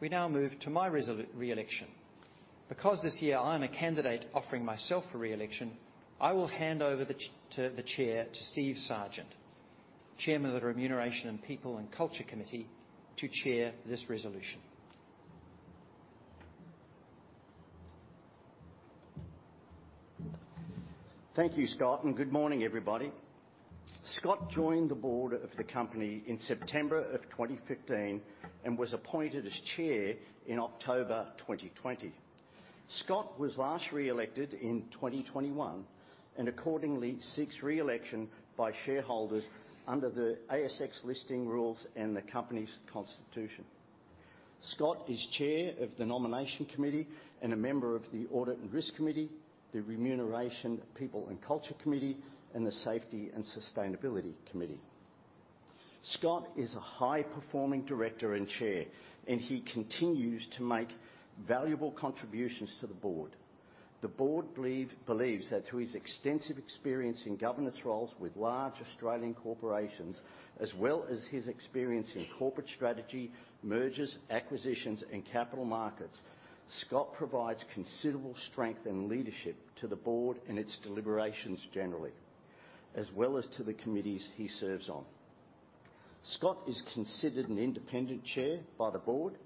We now move to my re-election. Because this year I'm a candidate offering myself for re-election, I will hand over the chair to Steve Sargent, chairman of the Remuneration and People and Culture Committee, to chair this resolution. Thank you, Scott, and good morning, everybody Scott joined the board of the company in September 2015, and was appointed as Chair in October 2020. Scott was last reelected in 2021, and accordingly seeks reelection by shareholders under the ASX listing rules and the company's constitution. Scott is Chair of the Nomination Committee and a member of the Audit and Risk Committee, the Remuneration, People and Culture Committee, and the Safety and Sustainability Committee. Scott is a high-performing director and Chair, and he continues to make valuable contributions to the board. The board believes that through his extensive experience in governance roles with large Australian corporations, as well as his experience in corporate strategy, mergers, acquisitions, and capital markets, Scott provides considerable strength and leadership to the board and its deliberations generally, as well as to the committees he serves on. Scott is considered an independent Chair by the board.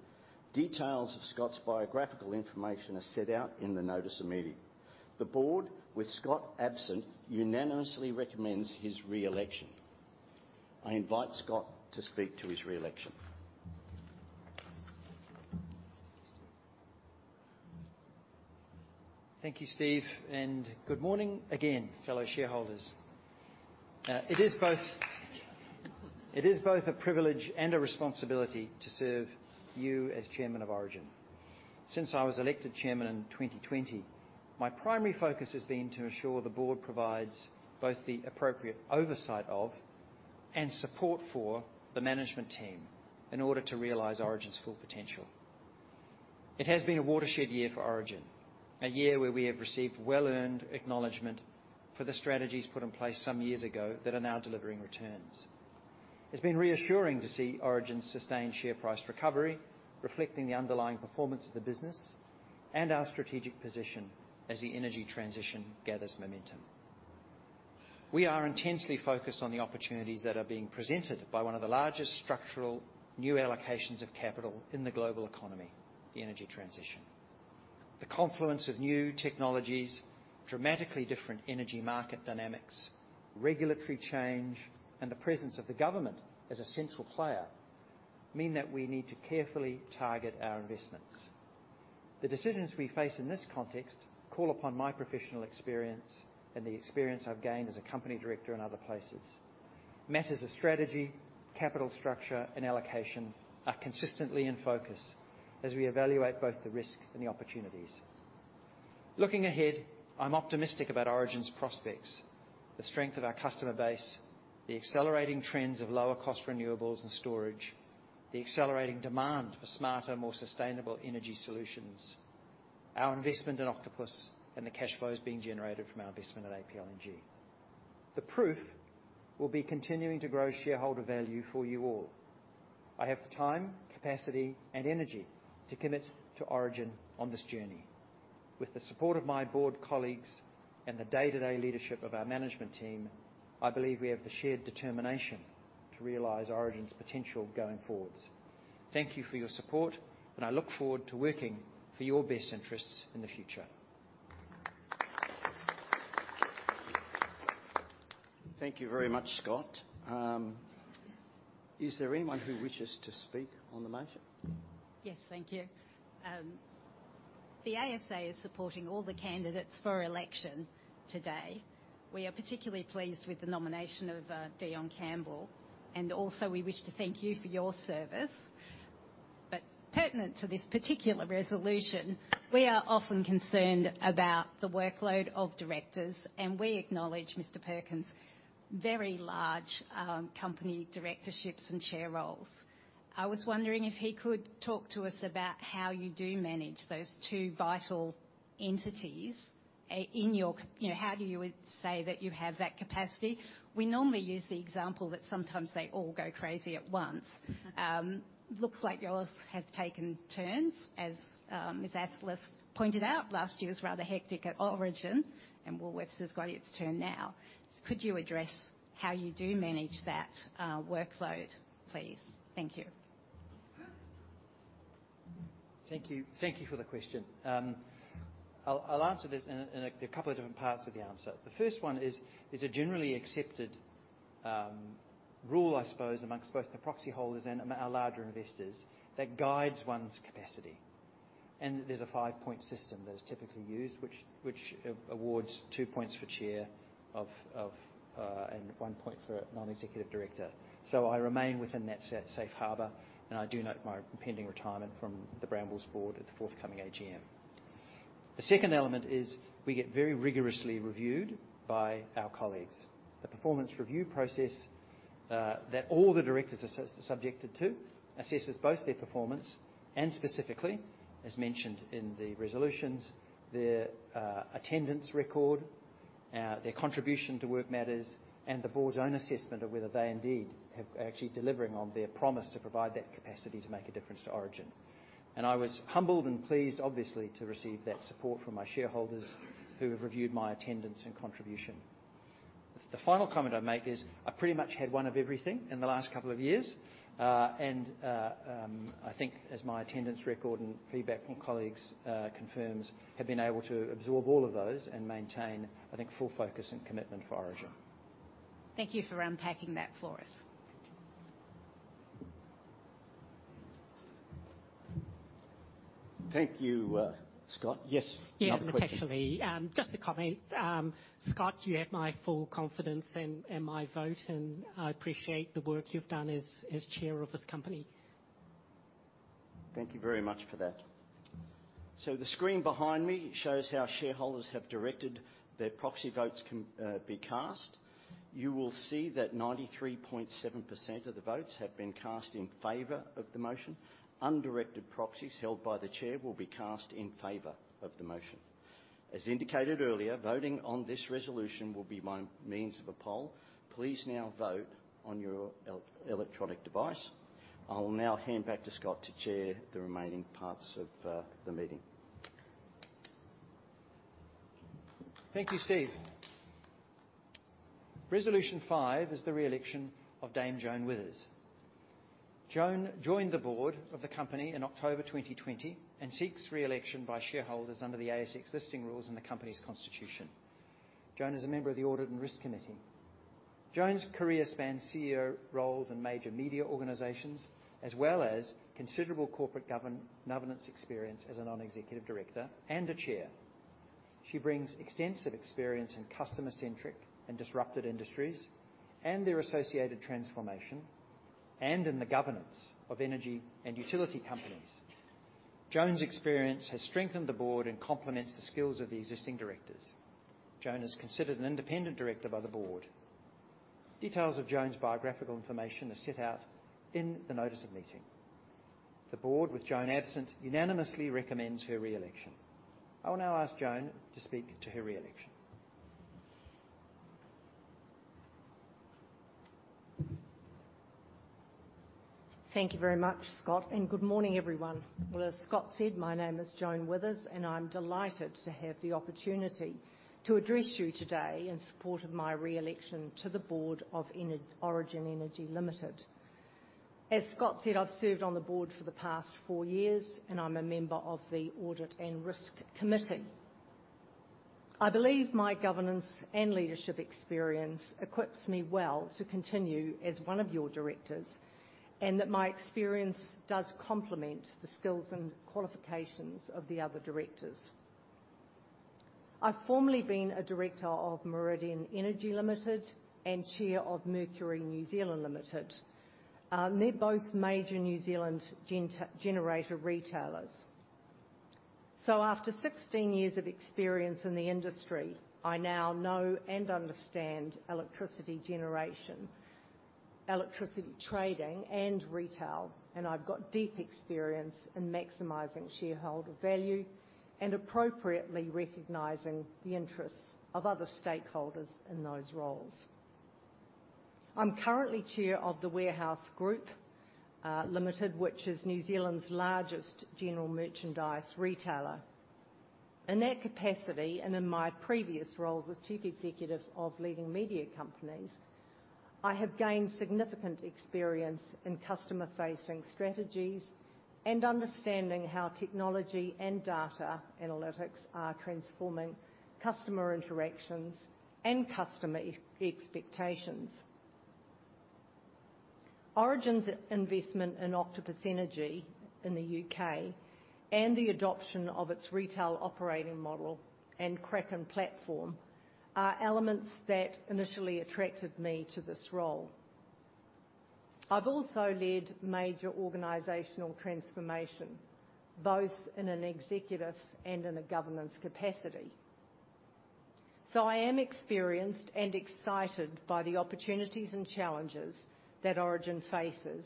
Details of Scott's biographical information are set out in the notice of meeting. The board, with Scott absent, unanimously recommends his reelection. I invite Scott to speak to his reelection. Thank you, Steve, and good morning again, fellow shareholders. It is both a privilege and a responsibility to serve you as chairman of Origin. Since I was elected chairman in 2020, my primary focus has been to ensure the board provides both the appropriate oversight of and support for the management team in order to realize Origin's full potential. It has been a watershed year for Origin, a year where we have received well-earned acknowledgment for the strategies put in place some years ago that are now delivering returns. It's been reassuring to see Origin's sustained share price recovery, reflecting the underlying performance of the business and our strategic position as the energy transition gathers momentum. We are intensely focused on the opportunities that are being presented by one of the largest structural new allocations of capital in the global economy, the energy transition. The confluence of new technologies, dramatically different energy market dynamics, regulatory change, and the presence of the government as a central player, mean that we need to carefully target our investments. The decisions we face in this context call upon my professional experience and the experience I've gained as a company director in other places. Matters of strategy, capital structure, and allocation are consistently in focus as we evaluate both the risk and the opportunities. Looking ahead, I'm optimistic about Origin's prospects, the strength of our customer base, the accelerating trends of lower cost renewables and storage, the accelerating demand for smarter, more sustainable energy solutions, our investment in Octopus, and the cash flows being generated from our investment at APLNG. The proof will be continuing to grow shareholder value for you all. I have the time, capacity, and energy to commit to Origin on this journey. With the support of my board colleagues and the day-to-day leadership of our management team, I believe we have the shared determination to realize Origin's potential going forward. Thank you for your support, and I look forward to working for your best interests in the future. Thank you very much, Scott. Is there anyone who wishes to speak on the motion? Yes, thank you. The ASA is supporting all the candidates for election today. We are particularly pleased with the nomination of Dion Campbell, and also, we wish to thank you for your service. But pertinent to this particular resolution, we are often concerned about the workload of directors, and we acknowledge Mr. Perkins' very large company directorships and chair roles. I was wondering if he could talk to us about how you do manage those two vital entities in your. You know, how do you say that you have that capacity? We normally use the example that sometimes they all go crazy at once. Looks like yours have taken turns, as Ms. Atlas pointed out, last year was rather hectic at Origin, and Woolworths has got its turn now. Could you address how you do manage that workload, please? Thank you. Thank you. Thank you for the question. I'll answer this in a couple of different parts of the answer. The first one is a generally accepted rule, I suppose, amongst both the proxy holders and our larger investors, that guides one's capacity, and there's a five-point system that is typically used, which awards two points for chair of and one point for a non-executive director. So I remain within that safe harbor, and I do note my pending retirement from the Brambles board at the forthcoming AGM. The second element is we get very rigorously reviewed by our colleagues. The performance review process that all the directors are subjected to assesses both their performance and specifically, as mentioned in the resolutions, their attendance record, their contribution to work matters, and the board's own assessment of whether they indeed are actually delivering on their promise to provide that capacity to make a difference to Origin, and I was humbled and pleased, obviously, to receive that support from my shareholders who have reviewed my attendance and contribution. The final comment I'd make is, I pretty much had one of everything in the last couple of years. I think as my attendance record and feedback from colleagues confirms, have been able to absorb all of those and maintain, I think, full focus and commitment for Origin. Thank you for unpacking that for us. Thank you, Scott. Yes, you have a question? Yeah, not actually, just a comment. Scott, you have my full confidence and my vote, and I appreciate the work you've done as Chair of this company. Thank you very much for that. So the screen behind me shows how shareholders have directed their proxy votes can be cast. You will see that 93.7% of the votes have been cast in favor of the motion. Undirected proxies held by the chair will be cast in favor of the motion. As indicated earlier, voting on this resolution will be by means of a poll. Please now vote on your electronic device. I'll now hand back to Scott to chair the remaining parts of the meeting. Thank you, Steve. Resolution five is the re-election of Dame Joan Withers. Joan joined the board of the company in October 2020 and seeks re-election by shareholders under the ASX listing rules and the company's constitution. Joan is a member of the Audit and Risk Committee. Joan's career spans CEO roles in major media organizations, as well as considerable corporate governance experience as a non-executive director and a chair. She brings extensive experience in customer-centric and disrupted industries and their associated transformation, and in the governance of energy and utility companies. Joan's experience has strengthened the board and complements the skills of the existing directors. Joan is considered an independent director by the board. Details of Joan's biographical information are set out in the notice of meeting. The board, with Joan absent, unanimously recommends her re-election. I will now ask Joan to speak to her re-election. Thank you very much, Scott, and good morning, everyone. As Scott said, my name is Joan Withers, and I'm delighted to have the opportunity to address you today in support of my re-election to the board of Origin Energy Limited. As Scott said, I've served on the board for the past four years, and I'm a member of the Audit and Risk Committee. I believe my governance and leadership experience equips me well to continue as one of your directors, and that my experience does complement the skills and qualifications of the other directors. I've formerly been a director of Meridian Energy Limited and chair of Mercury New Zealand Limited. They're both major New Zealand generator retailers. So after sixteen years of experience in the industry, I now know and understand electricity generation, electricity trading, and retail, and I've got deep experience in maximizing shareholder value and appropriately recognizing the interests of other stakeholders in those roles. I'm currently chair of The Warehouse Group Limited, which is New Zealand's largest general merchandise retailer. In that capacity, and in my previous roles as chief executive of leading media companies, I have gained significant experience in customer-facing strategies and understanding how technology and data analytics are transforming customer interactions and customer expectations. Origin's investment in Octopus Energy in the U.K. and the adoption of its retail operating model and Kraken platform are elements that initially attracted me to this role. I've also led major organizational transformation, both in an executive and in a governance capacity. So I am experienced and excited by the opportunities and challenges that Origin faces,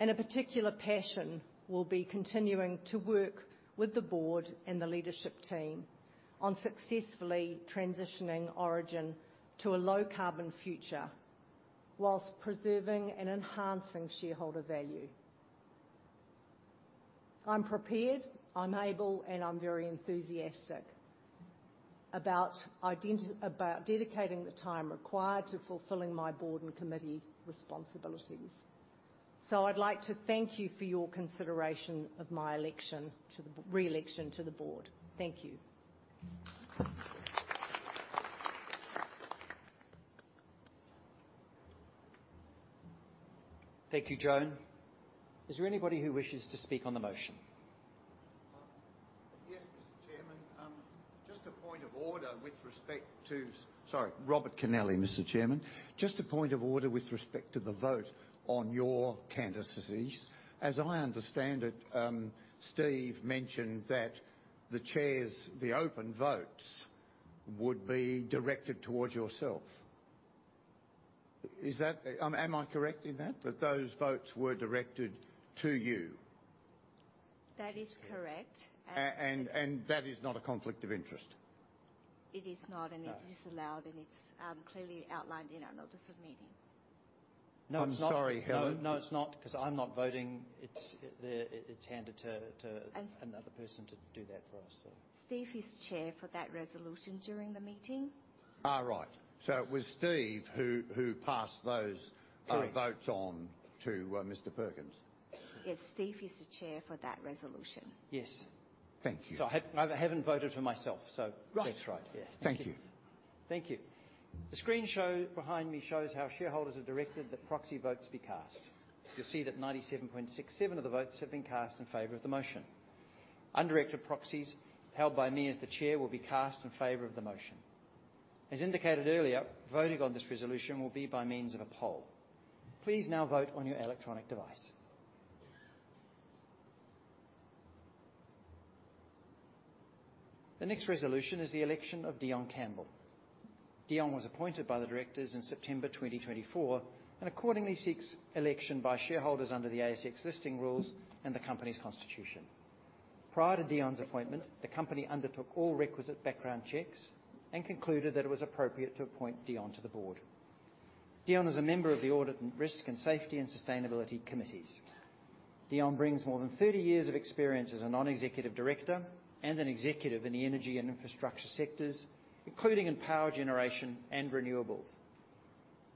and a particular passion will be continuing to work with the board and the leadership team on successfully transitioning Origin to a low-carbon future whilst preserving and enhancing shareholder value. I'm prepared, I'm able, and I'm very enthusiastic about about dedicating the time required to fulfilling my board and committee responsibilities. So I'd like to thank you for your consideration of my election to the... re-election to the board. Thank you. Thank you, Joan. Is there anybody who wishes to speak on the motion? Yes, Mr. Chairman. Sorry, Robert Connelly, Mr. Chairman. Just a point of order with respect to the vote on your candidacies. As I understand it, Steve mentioned that the chair's, the open votes, would be directed towards yourself. Is that, am I correct in that? That those votes were directed to you. That is correct, and- And that is not a conflict of interest? It is not- Ah. and it is allowed, and it's clearly outlined in our notice of meeting. No, it's not- I'm sorry, Helen. No, no, it's not, 'cause I'm not voting. It's handed to, to- And- another person to do that for us, so. Steve is chair for that resolution during the meeting. Right. So it was Steve who passed those- Correct Votes on to, Mr. Perkins? Yes, Steve is the chair for that resolution. Yes. Thank you. So I have, I haven't voted for myself, so- Right. That's right, yeah. Thank you. .Thank you. The screen behind me shows how shareholders have directed that proxy votes be cast. You'll see that 97.67% of the votes have been cast in favor of the motion. Undirected proxies held by me as the chair will be cast in favor of the motion. As indicated earlier, voting on this resolution will be by means of a poll. Please now vote on your electronic device. The next resolution is the election of Deion Campbell. Dion was appointed by the directors in September 2024, and accordingly seeks election by shareholders under the ASX listing rules and the company's constitution. Prior to Dion's appointment, the company undertook all requisite background checks and concluded that it was appropriate to appoint Dion to the board. Dion is a member of the Audit, Risk and Safety, and Sustainability Committees. Dion brings more than thirty years of experience as a non-executive director and an executive in the energy and infrastructure sectors, including in power generation and renewables.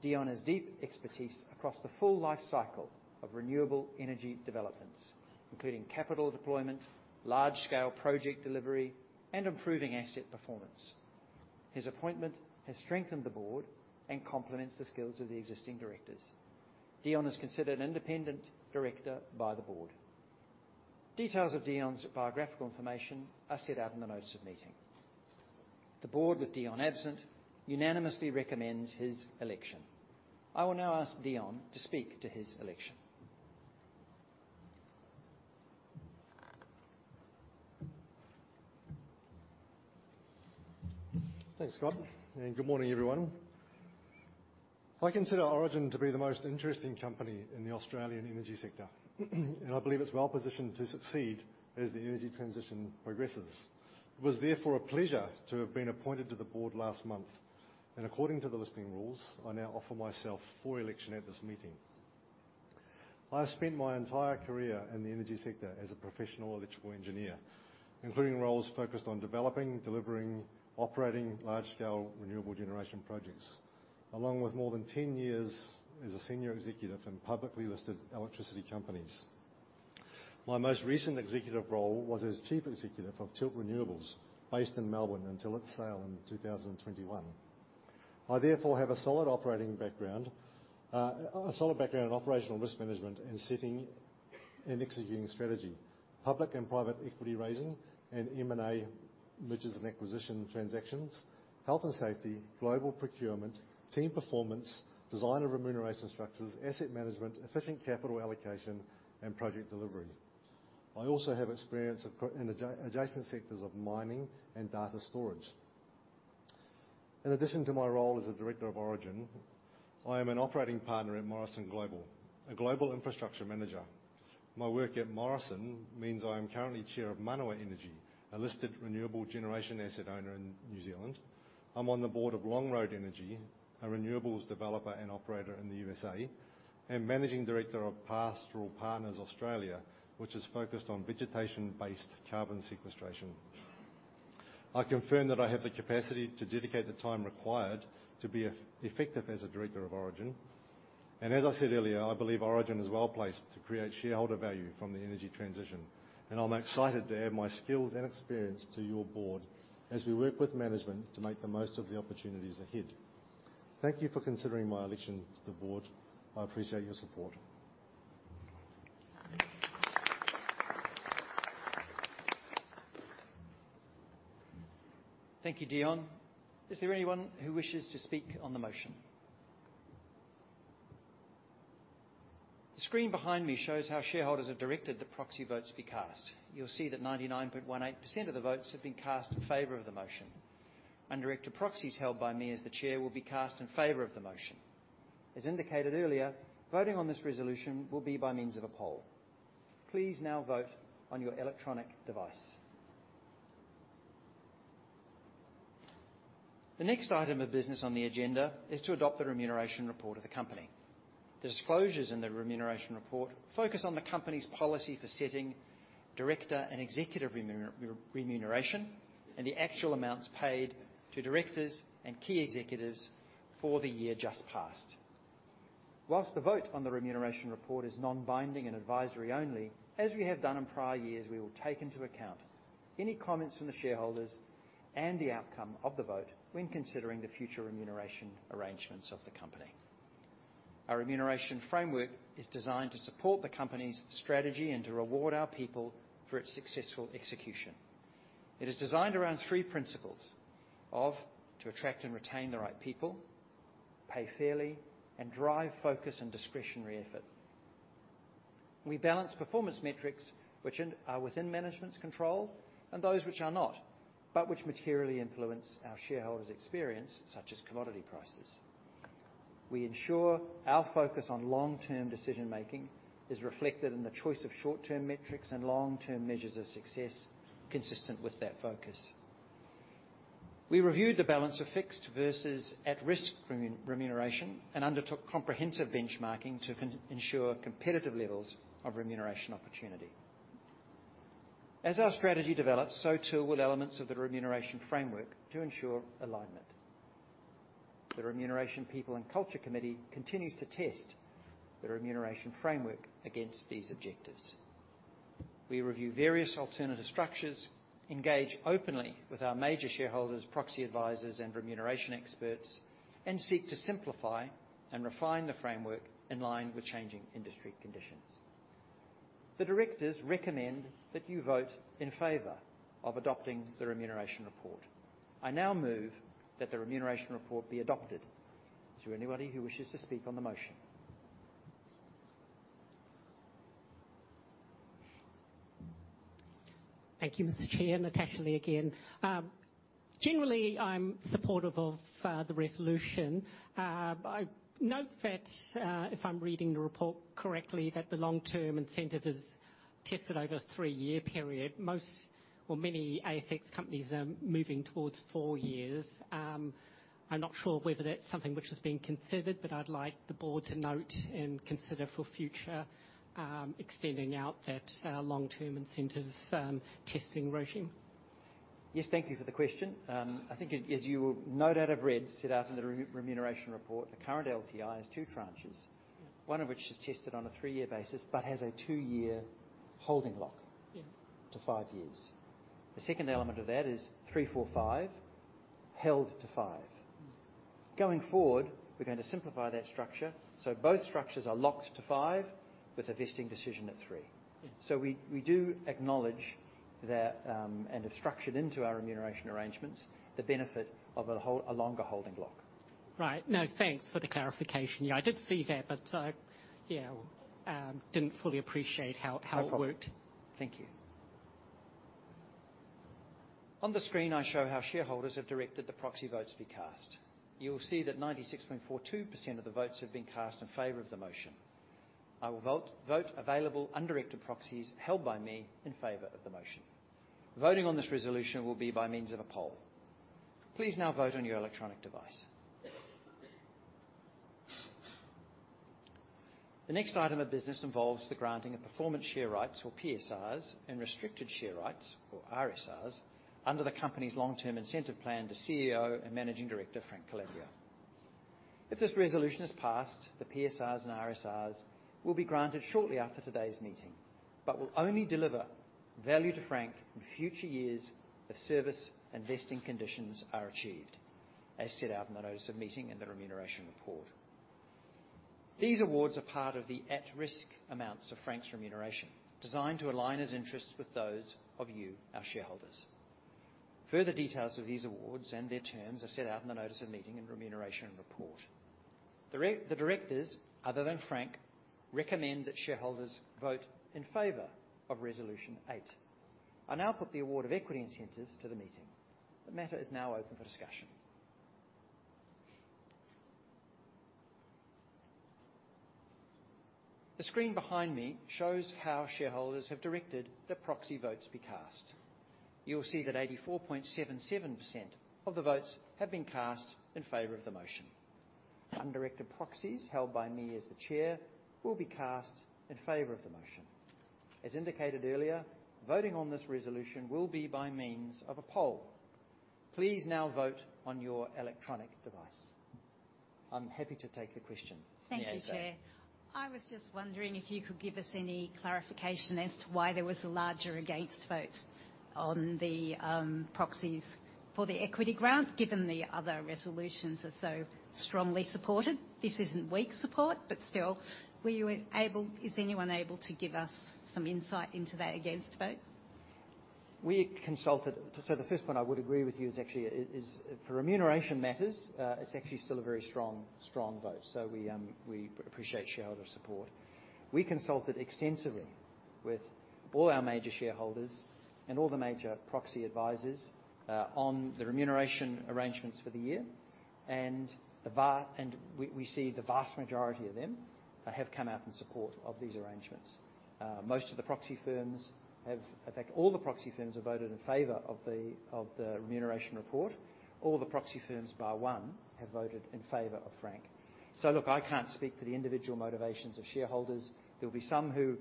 Dion has deep expertise across the full life cycle of renewable energy developments, including capital deployment, large-scale project delivery, and improving asset performance. His appointment has strengthened the board and complements the skills of the existing directors. Dion is considered an independent director by the board. Details of Dion's biographical information are set out in the notice of meeting. The board, with Dion absent, unanimously recommends his election. I will now ask Dion to speak to his election. Thanks, Scott, and good morning, everyone. I consider Origin to be the most interesting company in the Australian energy sector, and I believe it's well-positioned to succeed as the energy transition progresses. It was therefore a pleasure to have been appointed to the board last month, and according to the listing rules, I now offer myself for election at this meeting. I have spent my entire career in the energy sector as a professional electrical engineer, including roles focused on developing, delivering, operating large-scale renewable generation projects, along with more than 10 years as a senior executive in publicly listed electricity companies. My most recent executive role was as Chief Executive of Tilt Renewables, based in Melbourne, until its sale in 2021. I therefore have a solid operating background, a solid background in operational risk management and setting and executing strategy, public and private equity raising and M&A, mergers and acquisition transactions, health and safety, global procurement, team performance, design of remuneration structures, asset management, efficient capital allocation, and project delivery. I also have experience in adjacent sectors of mining and data storage. In addition to my role as a director of Origin, I am an operating partner at Morrison Global, a global infrastructure manager. My work at Morrison means I am currently Chair of Manawa Energy, a listed renewable generation asset owner in New Zealand. I'm on the board of Longroad Energy, a renewables developer and operator in the USA, and Managing Director of Pastoral Partners Australia, which is focused on vegetation-based carbon sequestration. I confirm that I have the capacity to dedicate the time required to be effective as a director of Origin, and as I said earlier, I believe Origin is well-placed to create shareholder value from the energy transition, and I'm excited to add my skills and experience to your board as we work with management to make the most of the opportunities ahead. Thank you for considering my election to the board. I appreciate your support. Thank you, Dion. Is there anyone who wishes to speak on the motion? The screen behind me shows how shareholders have directed the proxy votes be cast. You'll see that 99.18% of the votes have been cast in favor of the motion. Undirected proxies held by me as the chair will be cast in favor of the motion. As indicated earlier, voting on this resolution will be by means of a poll. Please now vote on your electronic device. The next item of business on the agenda is to adopt the remuneration report of the company. The disclosures in the remuneration report focus on the company's policy for setting director and executive remuneration and the actual amounts paid to directors and key executives for the year just passed. While the vote on the remuneration report is non-binding and advisory only, as we have done in prior years, we will take into account any comments from the shareholders and the outcome of the vote when considering the future remuneration arrangements of the company. Our remuneration framework is designed to support the company's strategy and to reward our people for its successful execution. It is designed around three principles of: to attract and retain the right people, pay fairly, and drive focus and discretionary effort. We balance performance metrics which are within management's control and those which are not, but which materially influence our shareholders' experience, such as commodity prices. We ensure our focus on long-term decision-making is reflected in the choice of short-term metrics and long-term measures of success consistent with that focus. We reviewed the balance of fixed versus at-risk remuneration and undertook comprehensive benchmarking to ensure competitive levels of remuneration opportunity. As our strategy develops, so too will elements of the remuneration framework to ensure alignment. The Remuneration, People and Culture Committee continues to test the remuneration framework against these objectives. We review various alternative structures, engage openly with our major shareholders, proxy advisors, and remuneration experts, and seek to simplify and refine the framework in line with changing industry conditions. The directors recommend that you vote in favor of adopting the remuneration report. I now move that the remuneration report be adopted. Is there anybody who wishes to speak on the motion? Thank you, Mr. Chair. Natasha Lee again. Generally, I'm supportive of the resolution. I note that if I'm reading the report correctly, that the long-term incentive is tested over a three-year period. Most or many ASX companies are moving towards four years. I'm not sure whether that's something which is being considered, but I'd like the board to note and consider for future extending out that long-term incentives testing regime. Yes. Thank you for the question. I think as you would no doubt have read, set out in the remuneration report, the current LTI has two tranches. Mm-hmm. One of which is tested on a three-year basis, but has a two-year holding lock- Yeah To five years. The second element of that is three for five, held to five. Mm. Going forward, we're going to simplify that structure, so both structures are locked to five with a vesting decision at three. Yeah. So we do acknowledge that, and have structured into our remuneration arrangements, the benefit of a hold, a longer holding block. Right. No, thanks for the clarification. Yeah, I did see that, but I, yeah, didn't fully appreciate how it worked. No problem. Thank you. On the screen, I show how shareholders have directed the proxy votes be cast. You'll see that 96.42% of the votes have been cast in favor of the motion. I will vote available undirected proxies held by me in favor of the motion. Voting on this resolution will be by means of a poll. Please now vote on your electronic device. The next item of business involves the granting of performance share rights, or PSRs, and restricted share rights, or RSRs, under the company's long-term incentive plan to CEO and Managing Director, Frank Calabria. If this resolution is passed, the PSRs and RSRs will be granted shortly after today's meeting, but will only deliver value to Frank in future years if service and vesting conditions are achieved, as set out in the notice of meeting and the remuneration report. These awards are part of the at-risk amounts of Frank's remuneration, designed to align his interests with those of you, our shareholders. Further details of these awards and their terms are set out in the notice of meeting and remuneration report. The directors, other than Frank, recommend that shareholders vote in favor of Resolution Eight. I now put the award of equity incentives to the meeting. The matter is now open for discussion. The screen behind me shows how shareholders have directed the proxy votes be cast. You'll see that 84.77% of the votes have been cast in favor of the motion. Undirected proxies, held by me as the Chair, will be cast in favor of the motion. As indicated earlier, voting on this resolution will be by means of a poll. Please now vote on your electronic device. I'm happy to take a question. Thank you, Chair. I was just wondering if you could give us any clarification as to why there was a larger against vote on the proxies for the equity grant, given the other resolutions are so strongly supported? This isn't weak support, but still, is anyone able to give us some insight into that against vote? So the first point I would agree with you is actually is for remuneration matters. It's actually still a very strong vote, so we appreciate shareholder support. We consulted extensively with all our major shareholders and all the major proxy advisors on the remuneration arrangements for the year. And we see the vast majority of them have come out in support of these arrangements. Most of the proxy firms have. In fact, all the proxy firms have voted in favor of the remuneration report. All the proxy firms, bar one, have voted in favor of Frank. So look, I can't speak for the individual motivations of shareholders. There will be some who,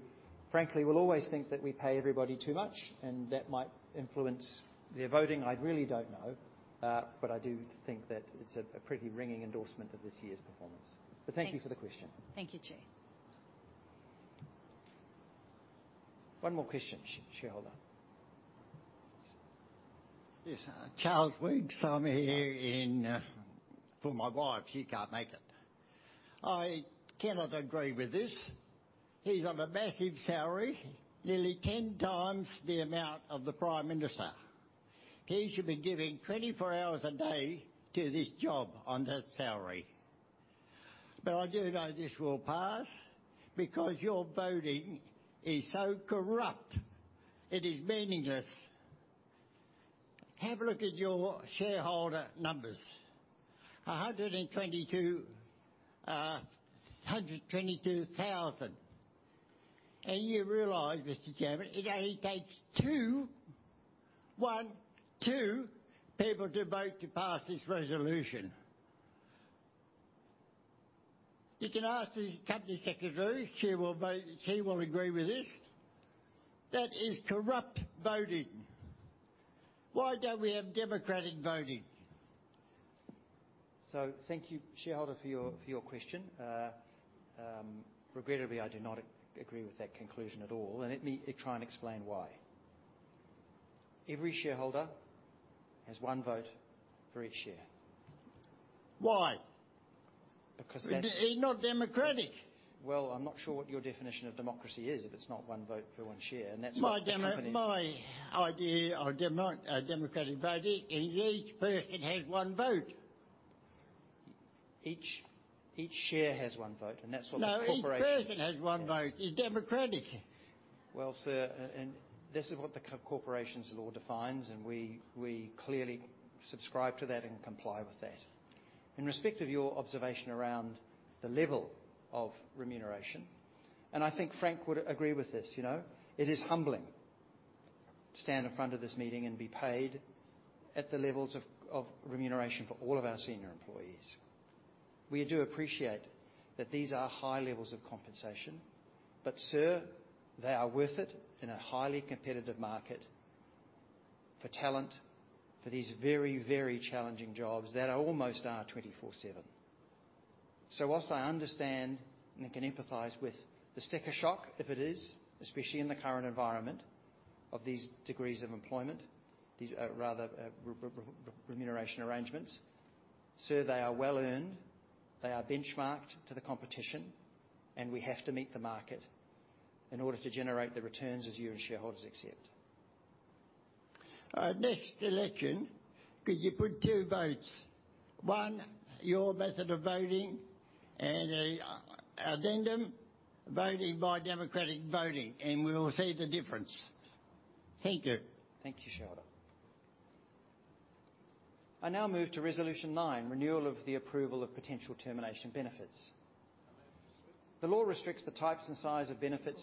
frankly, will always think that we pay everybody too much, and that might influence their voting. I really don't know, but I do think that it's a pretty ringing endorsement of this year's performance. Thanks. But thank you for the question. Thank you, Chair. One more question, shareholder. Yes. Charles Wiggs. I'm here in for my wife. She can't make it. I cannot agree with this. He's on a massive salary, nearly ten times the amount of the Prime Minister. He should be giving twenty-four hours a day to this job on that salary. But I do know this will pass because your voting is so corrupt, it is meaningless. Have a look at your shareholder numbers. A hundred and twenty-two, hundred and twenty-two thousand, and you realize, Mr. Chairman, it only takes two, one, two people to vote to pass this resolution. You can ask the company secretary. She will vote, she will agree with this. That is corrupt voting. Why don't we have democratic voting? So thank you, shareholder, for your question. Regrettably, I do not agree with that conclusion at all, and let me try and explain why. Every shareholder has one vote for each share. Why? Because that's- It's not democratic. I'm not sure what your definition of democracy is, if it's not one vote for one share, and that's what the company- My idea of democratic voting is each person has one vote. Each share has one vote, and that's what the corporation- No, each person has one vote. It's democratic. Well, sir, and this is what the Corporations Law defines, and we clearly subscribe to that and comply with that. In respect of your observation around the level of remuneration, and I think Frank would agree with this, you know, it is humbling to stand in front of this meeting and be paid at the levels of remuneration for all of our senior employees. We do appreciate that these are high levels of compensation, but, sir, they are worth it in a highly competitive market for talent, for these very, very challenging jobs that are almost twenty-four seven. So whilst I understand and can empathize with the sticker shock, if it is, especially in the current environment of these degrees of employment, these rather remuneration arrangements. Sir, they are well-earned, they are benchmarked to the competition, and we have to meet the market in order to generate the returns as you and shareholders accept. Next election, could you put two votes? One, your method of voting and addendum voting by democratic voting, and we will see the difference. Thank you. Thank you, shareholder. I now move to Resolution Nine, renewal of the approval of potential termination benefits. The law restricts the types and size of benefits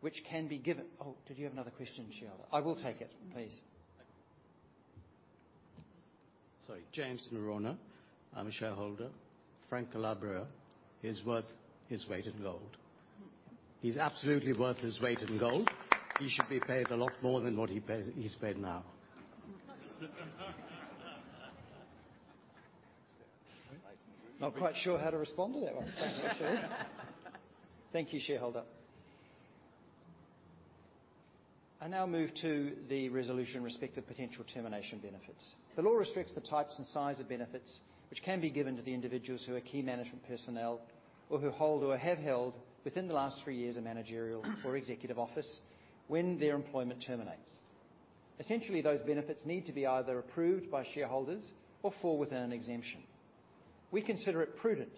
which can be given. Oh, did you have another question, shareholder? I will take it, please. Sorry. James Noronha. I'm a shareholder. Frank Calabria is worth his weight in gold. He's absolutely worth his weight in gold. He should be paid a lot more than what he pays. He's paid now. Not quite sure how to respond to that one. Thank you, shareholder. I now move to the resolution with respect to potential termination benefits. The law restricts the types and size of benefits which can be given to the individuals who are key management personnel or who hold or have held, within the last three years, a managerial or executive office when their employment terminates. Essentially, those benefits need to be either approved by shareholders or fall within an exemption. We consider it prudent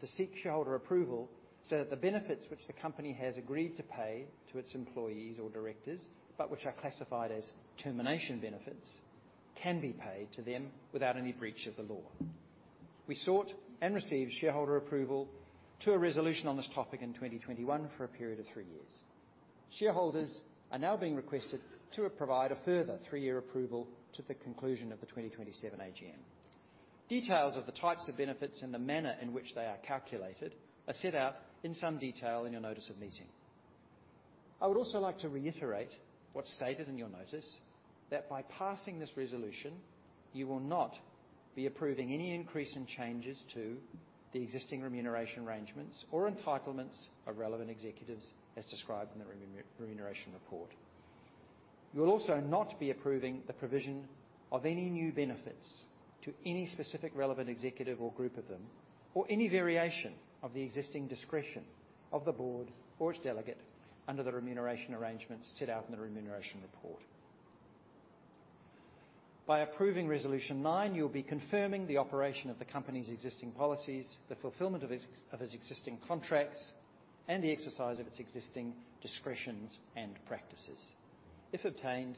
to seek shareholder approval so that the benefits which the company has agreed to pay to its employees or directors, but which are classified as termination benefits, can be paid to them without any breach of the law. We sought and received shareholder approval to a resolution on this topic in twenty twenty-one for a period of three years. Shareholders are now being requested to provide a further three-year approval to the conclusion of the 2027 AGM. Details of the types of benefits and the manner in which they are calculated are set out in some detail in your notice of meeting. I would also like to reiterate what's stated in your notice, that by passing this resolution, you will not be approving any increase in changes to the existing remuneration arrangements or entitlements of relevant executives, as described in the remuneration report. You will also not be approving the provision of any new benefits to any specific relevant executive or group of them, or any variation of the existing discretion of the board or its delegate under the remuneration arrangements set out in the remuneration report. By approving Resolution Nine, you'll be confirming the operation of the company's existing policies, the fulfillment of its existing contracts, and the exercise of its existing discretions and practices. If obtained,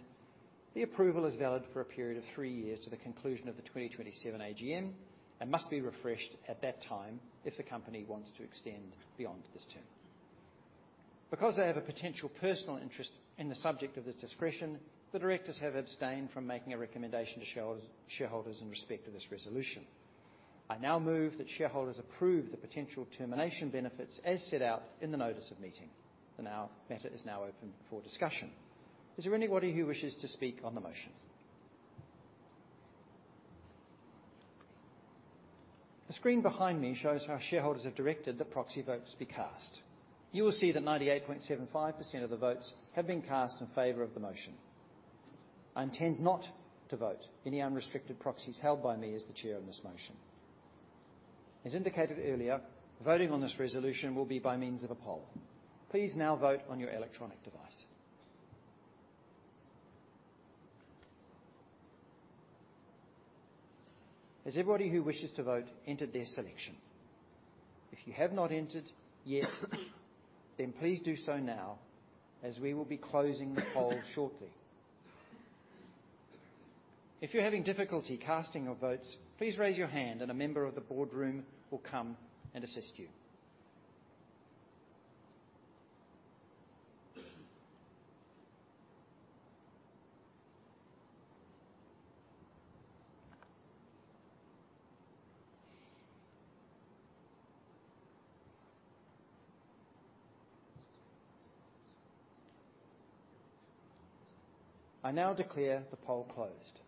the approval is valid for a period of three years to the conclusion of the 2027 AGM and must be refreshed at that time if the company wants to extend beyond this term. Because they have a potential personal interest in the subject of the discretion, the directors have abstained from making a recommendation to shareholders in respect to this resolution. I now move that shareholders approve the potential termination benefits as set out in the notice of meeting. The matter is now open for discussion. Is there anybody who wishes to speak on the motion? The screen behind me shows how shareholders have directed the proxy votes be cast. You will see that 98.75% of the votes have been cast in favor of the motion. I intend not to vote any unrestricted proxies held by me as the Chair in this motion. As indicated earlier, voting on this resolution will be by means of a poll. Please now vote on your electronic device. Has everybody who wishes to vote entered their selection? If you have not entered yet, then please do so now, as we will be closing the poll shortly. If you're having difficulty casting your votes, please raise your hand, and a member of the Boardroom will come and assist you. I now declare the poll closed.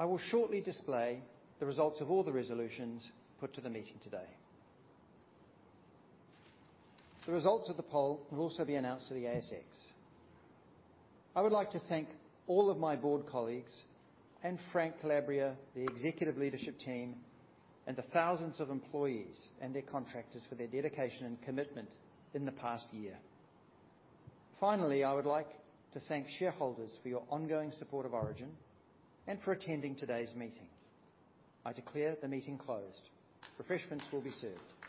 I will shortly display the results of all the resolutions put to the meeting today. The results of the poll will also be announced to the ASX. I would like to thank all of my board colleagues and Frank Calabria, the executive leadership team, and the thousands of employees and their contractors for their dedication and commitment in the past year. Finally, I would like to thank shareholders for your ongoing support of Origin and for attending today's meeting. I declare the meeting closed. Refreshments will be served.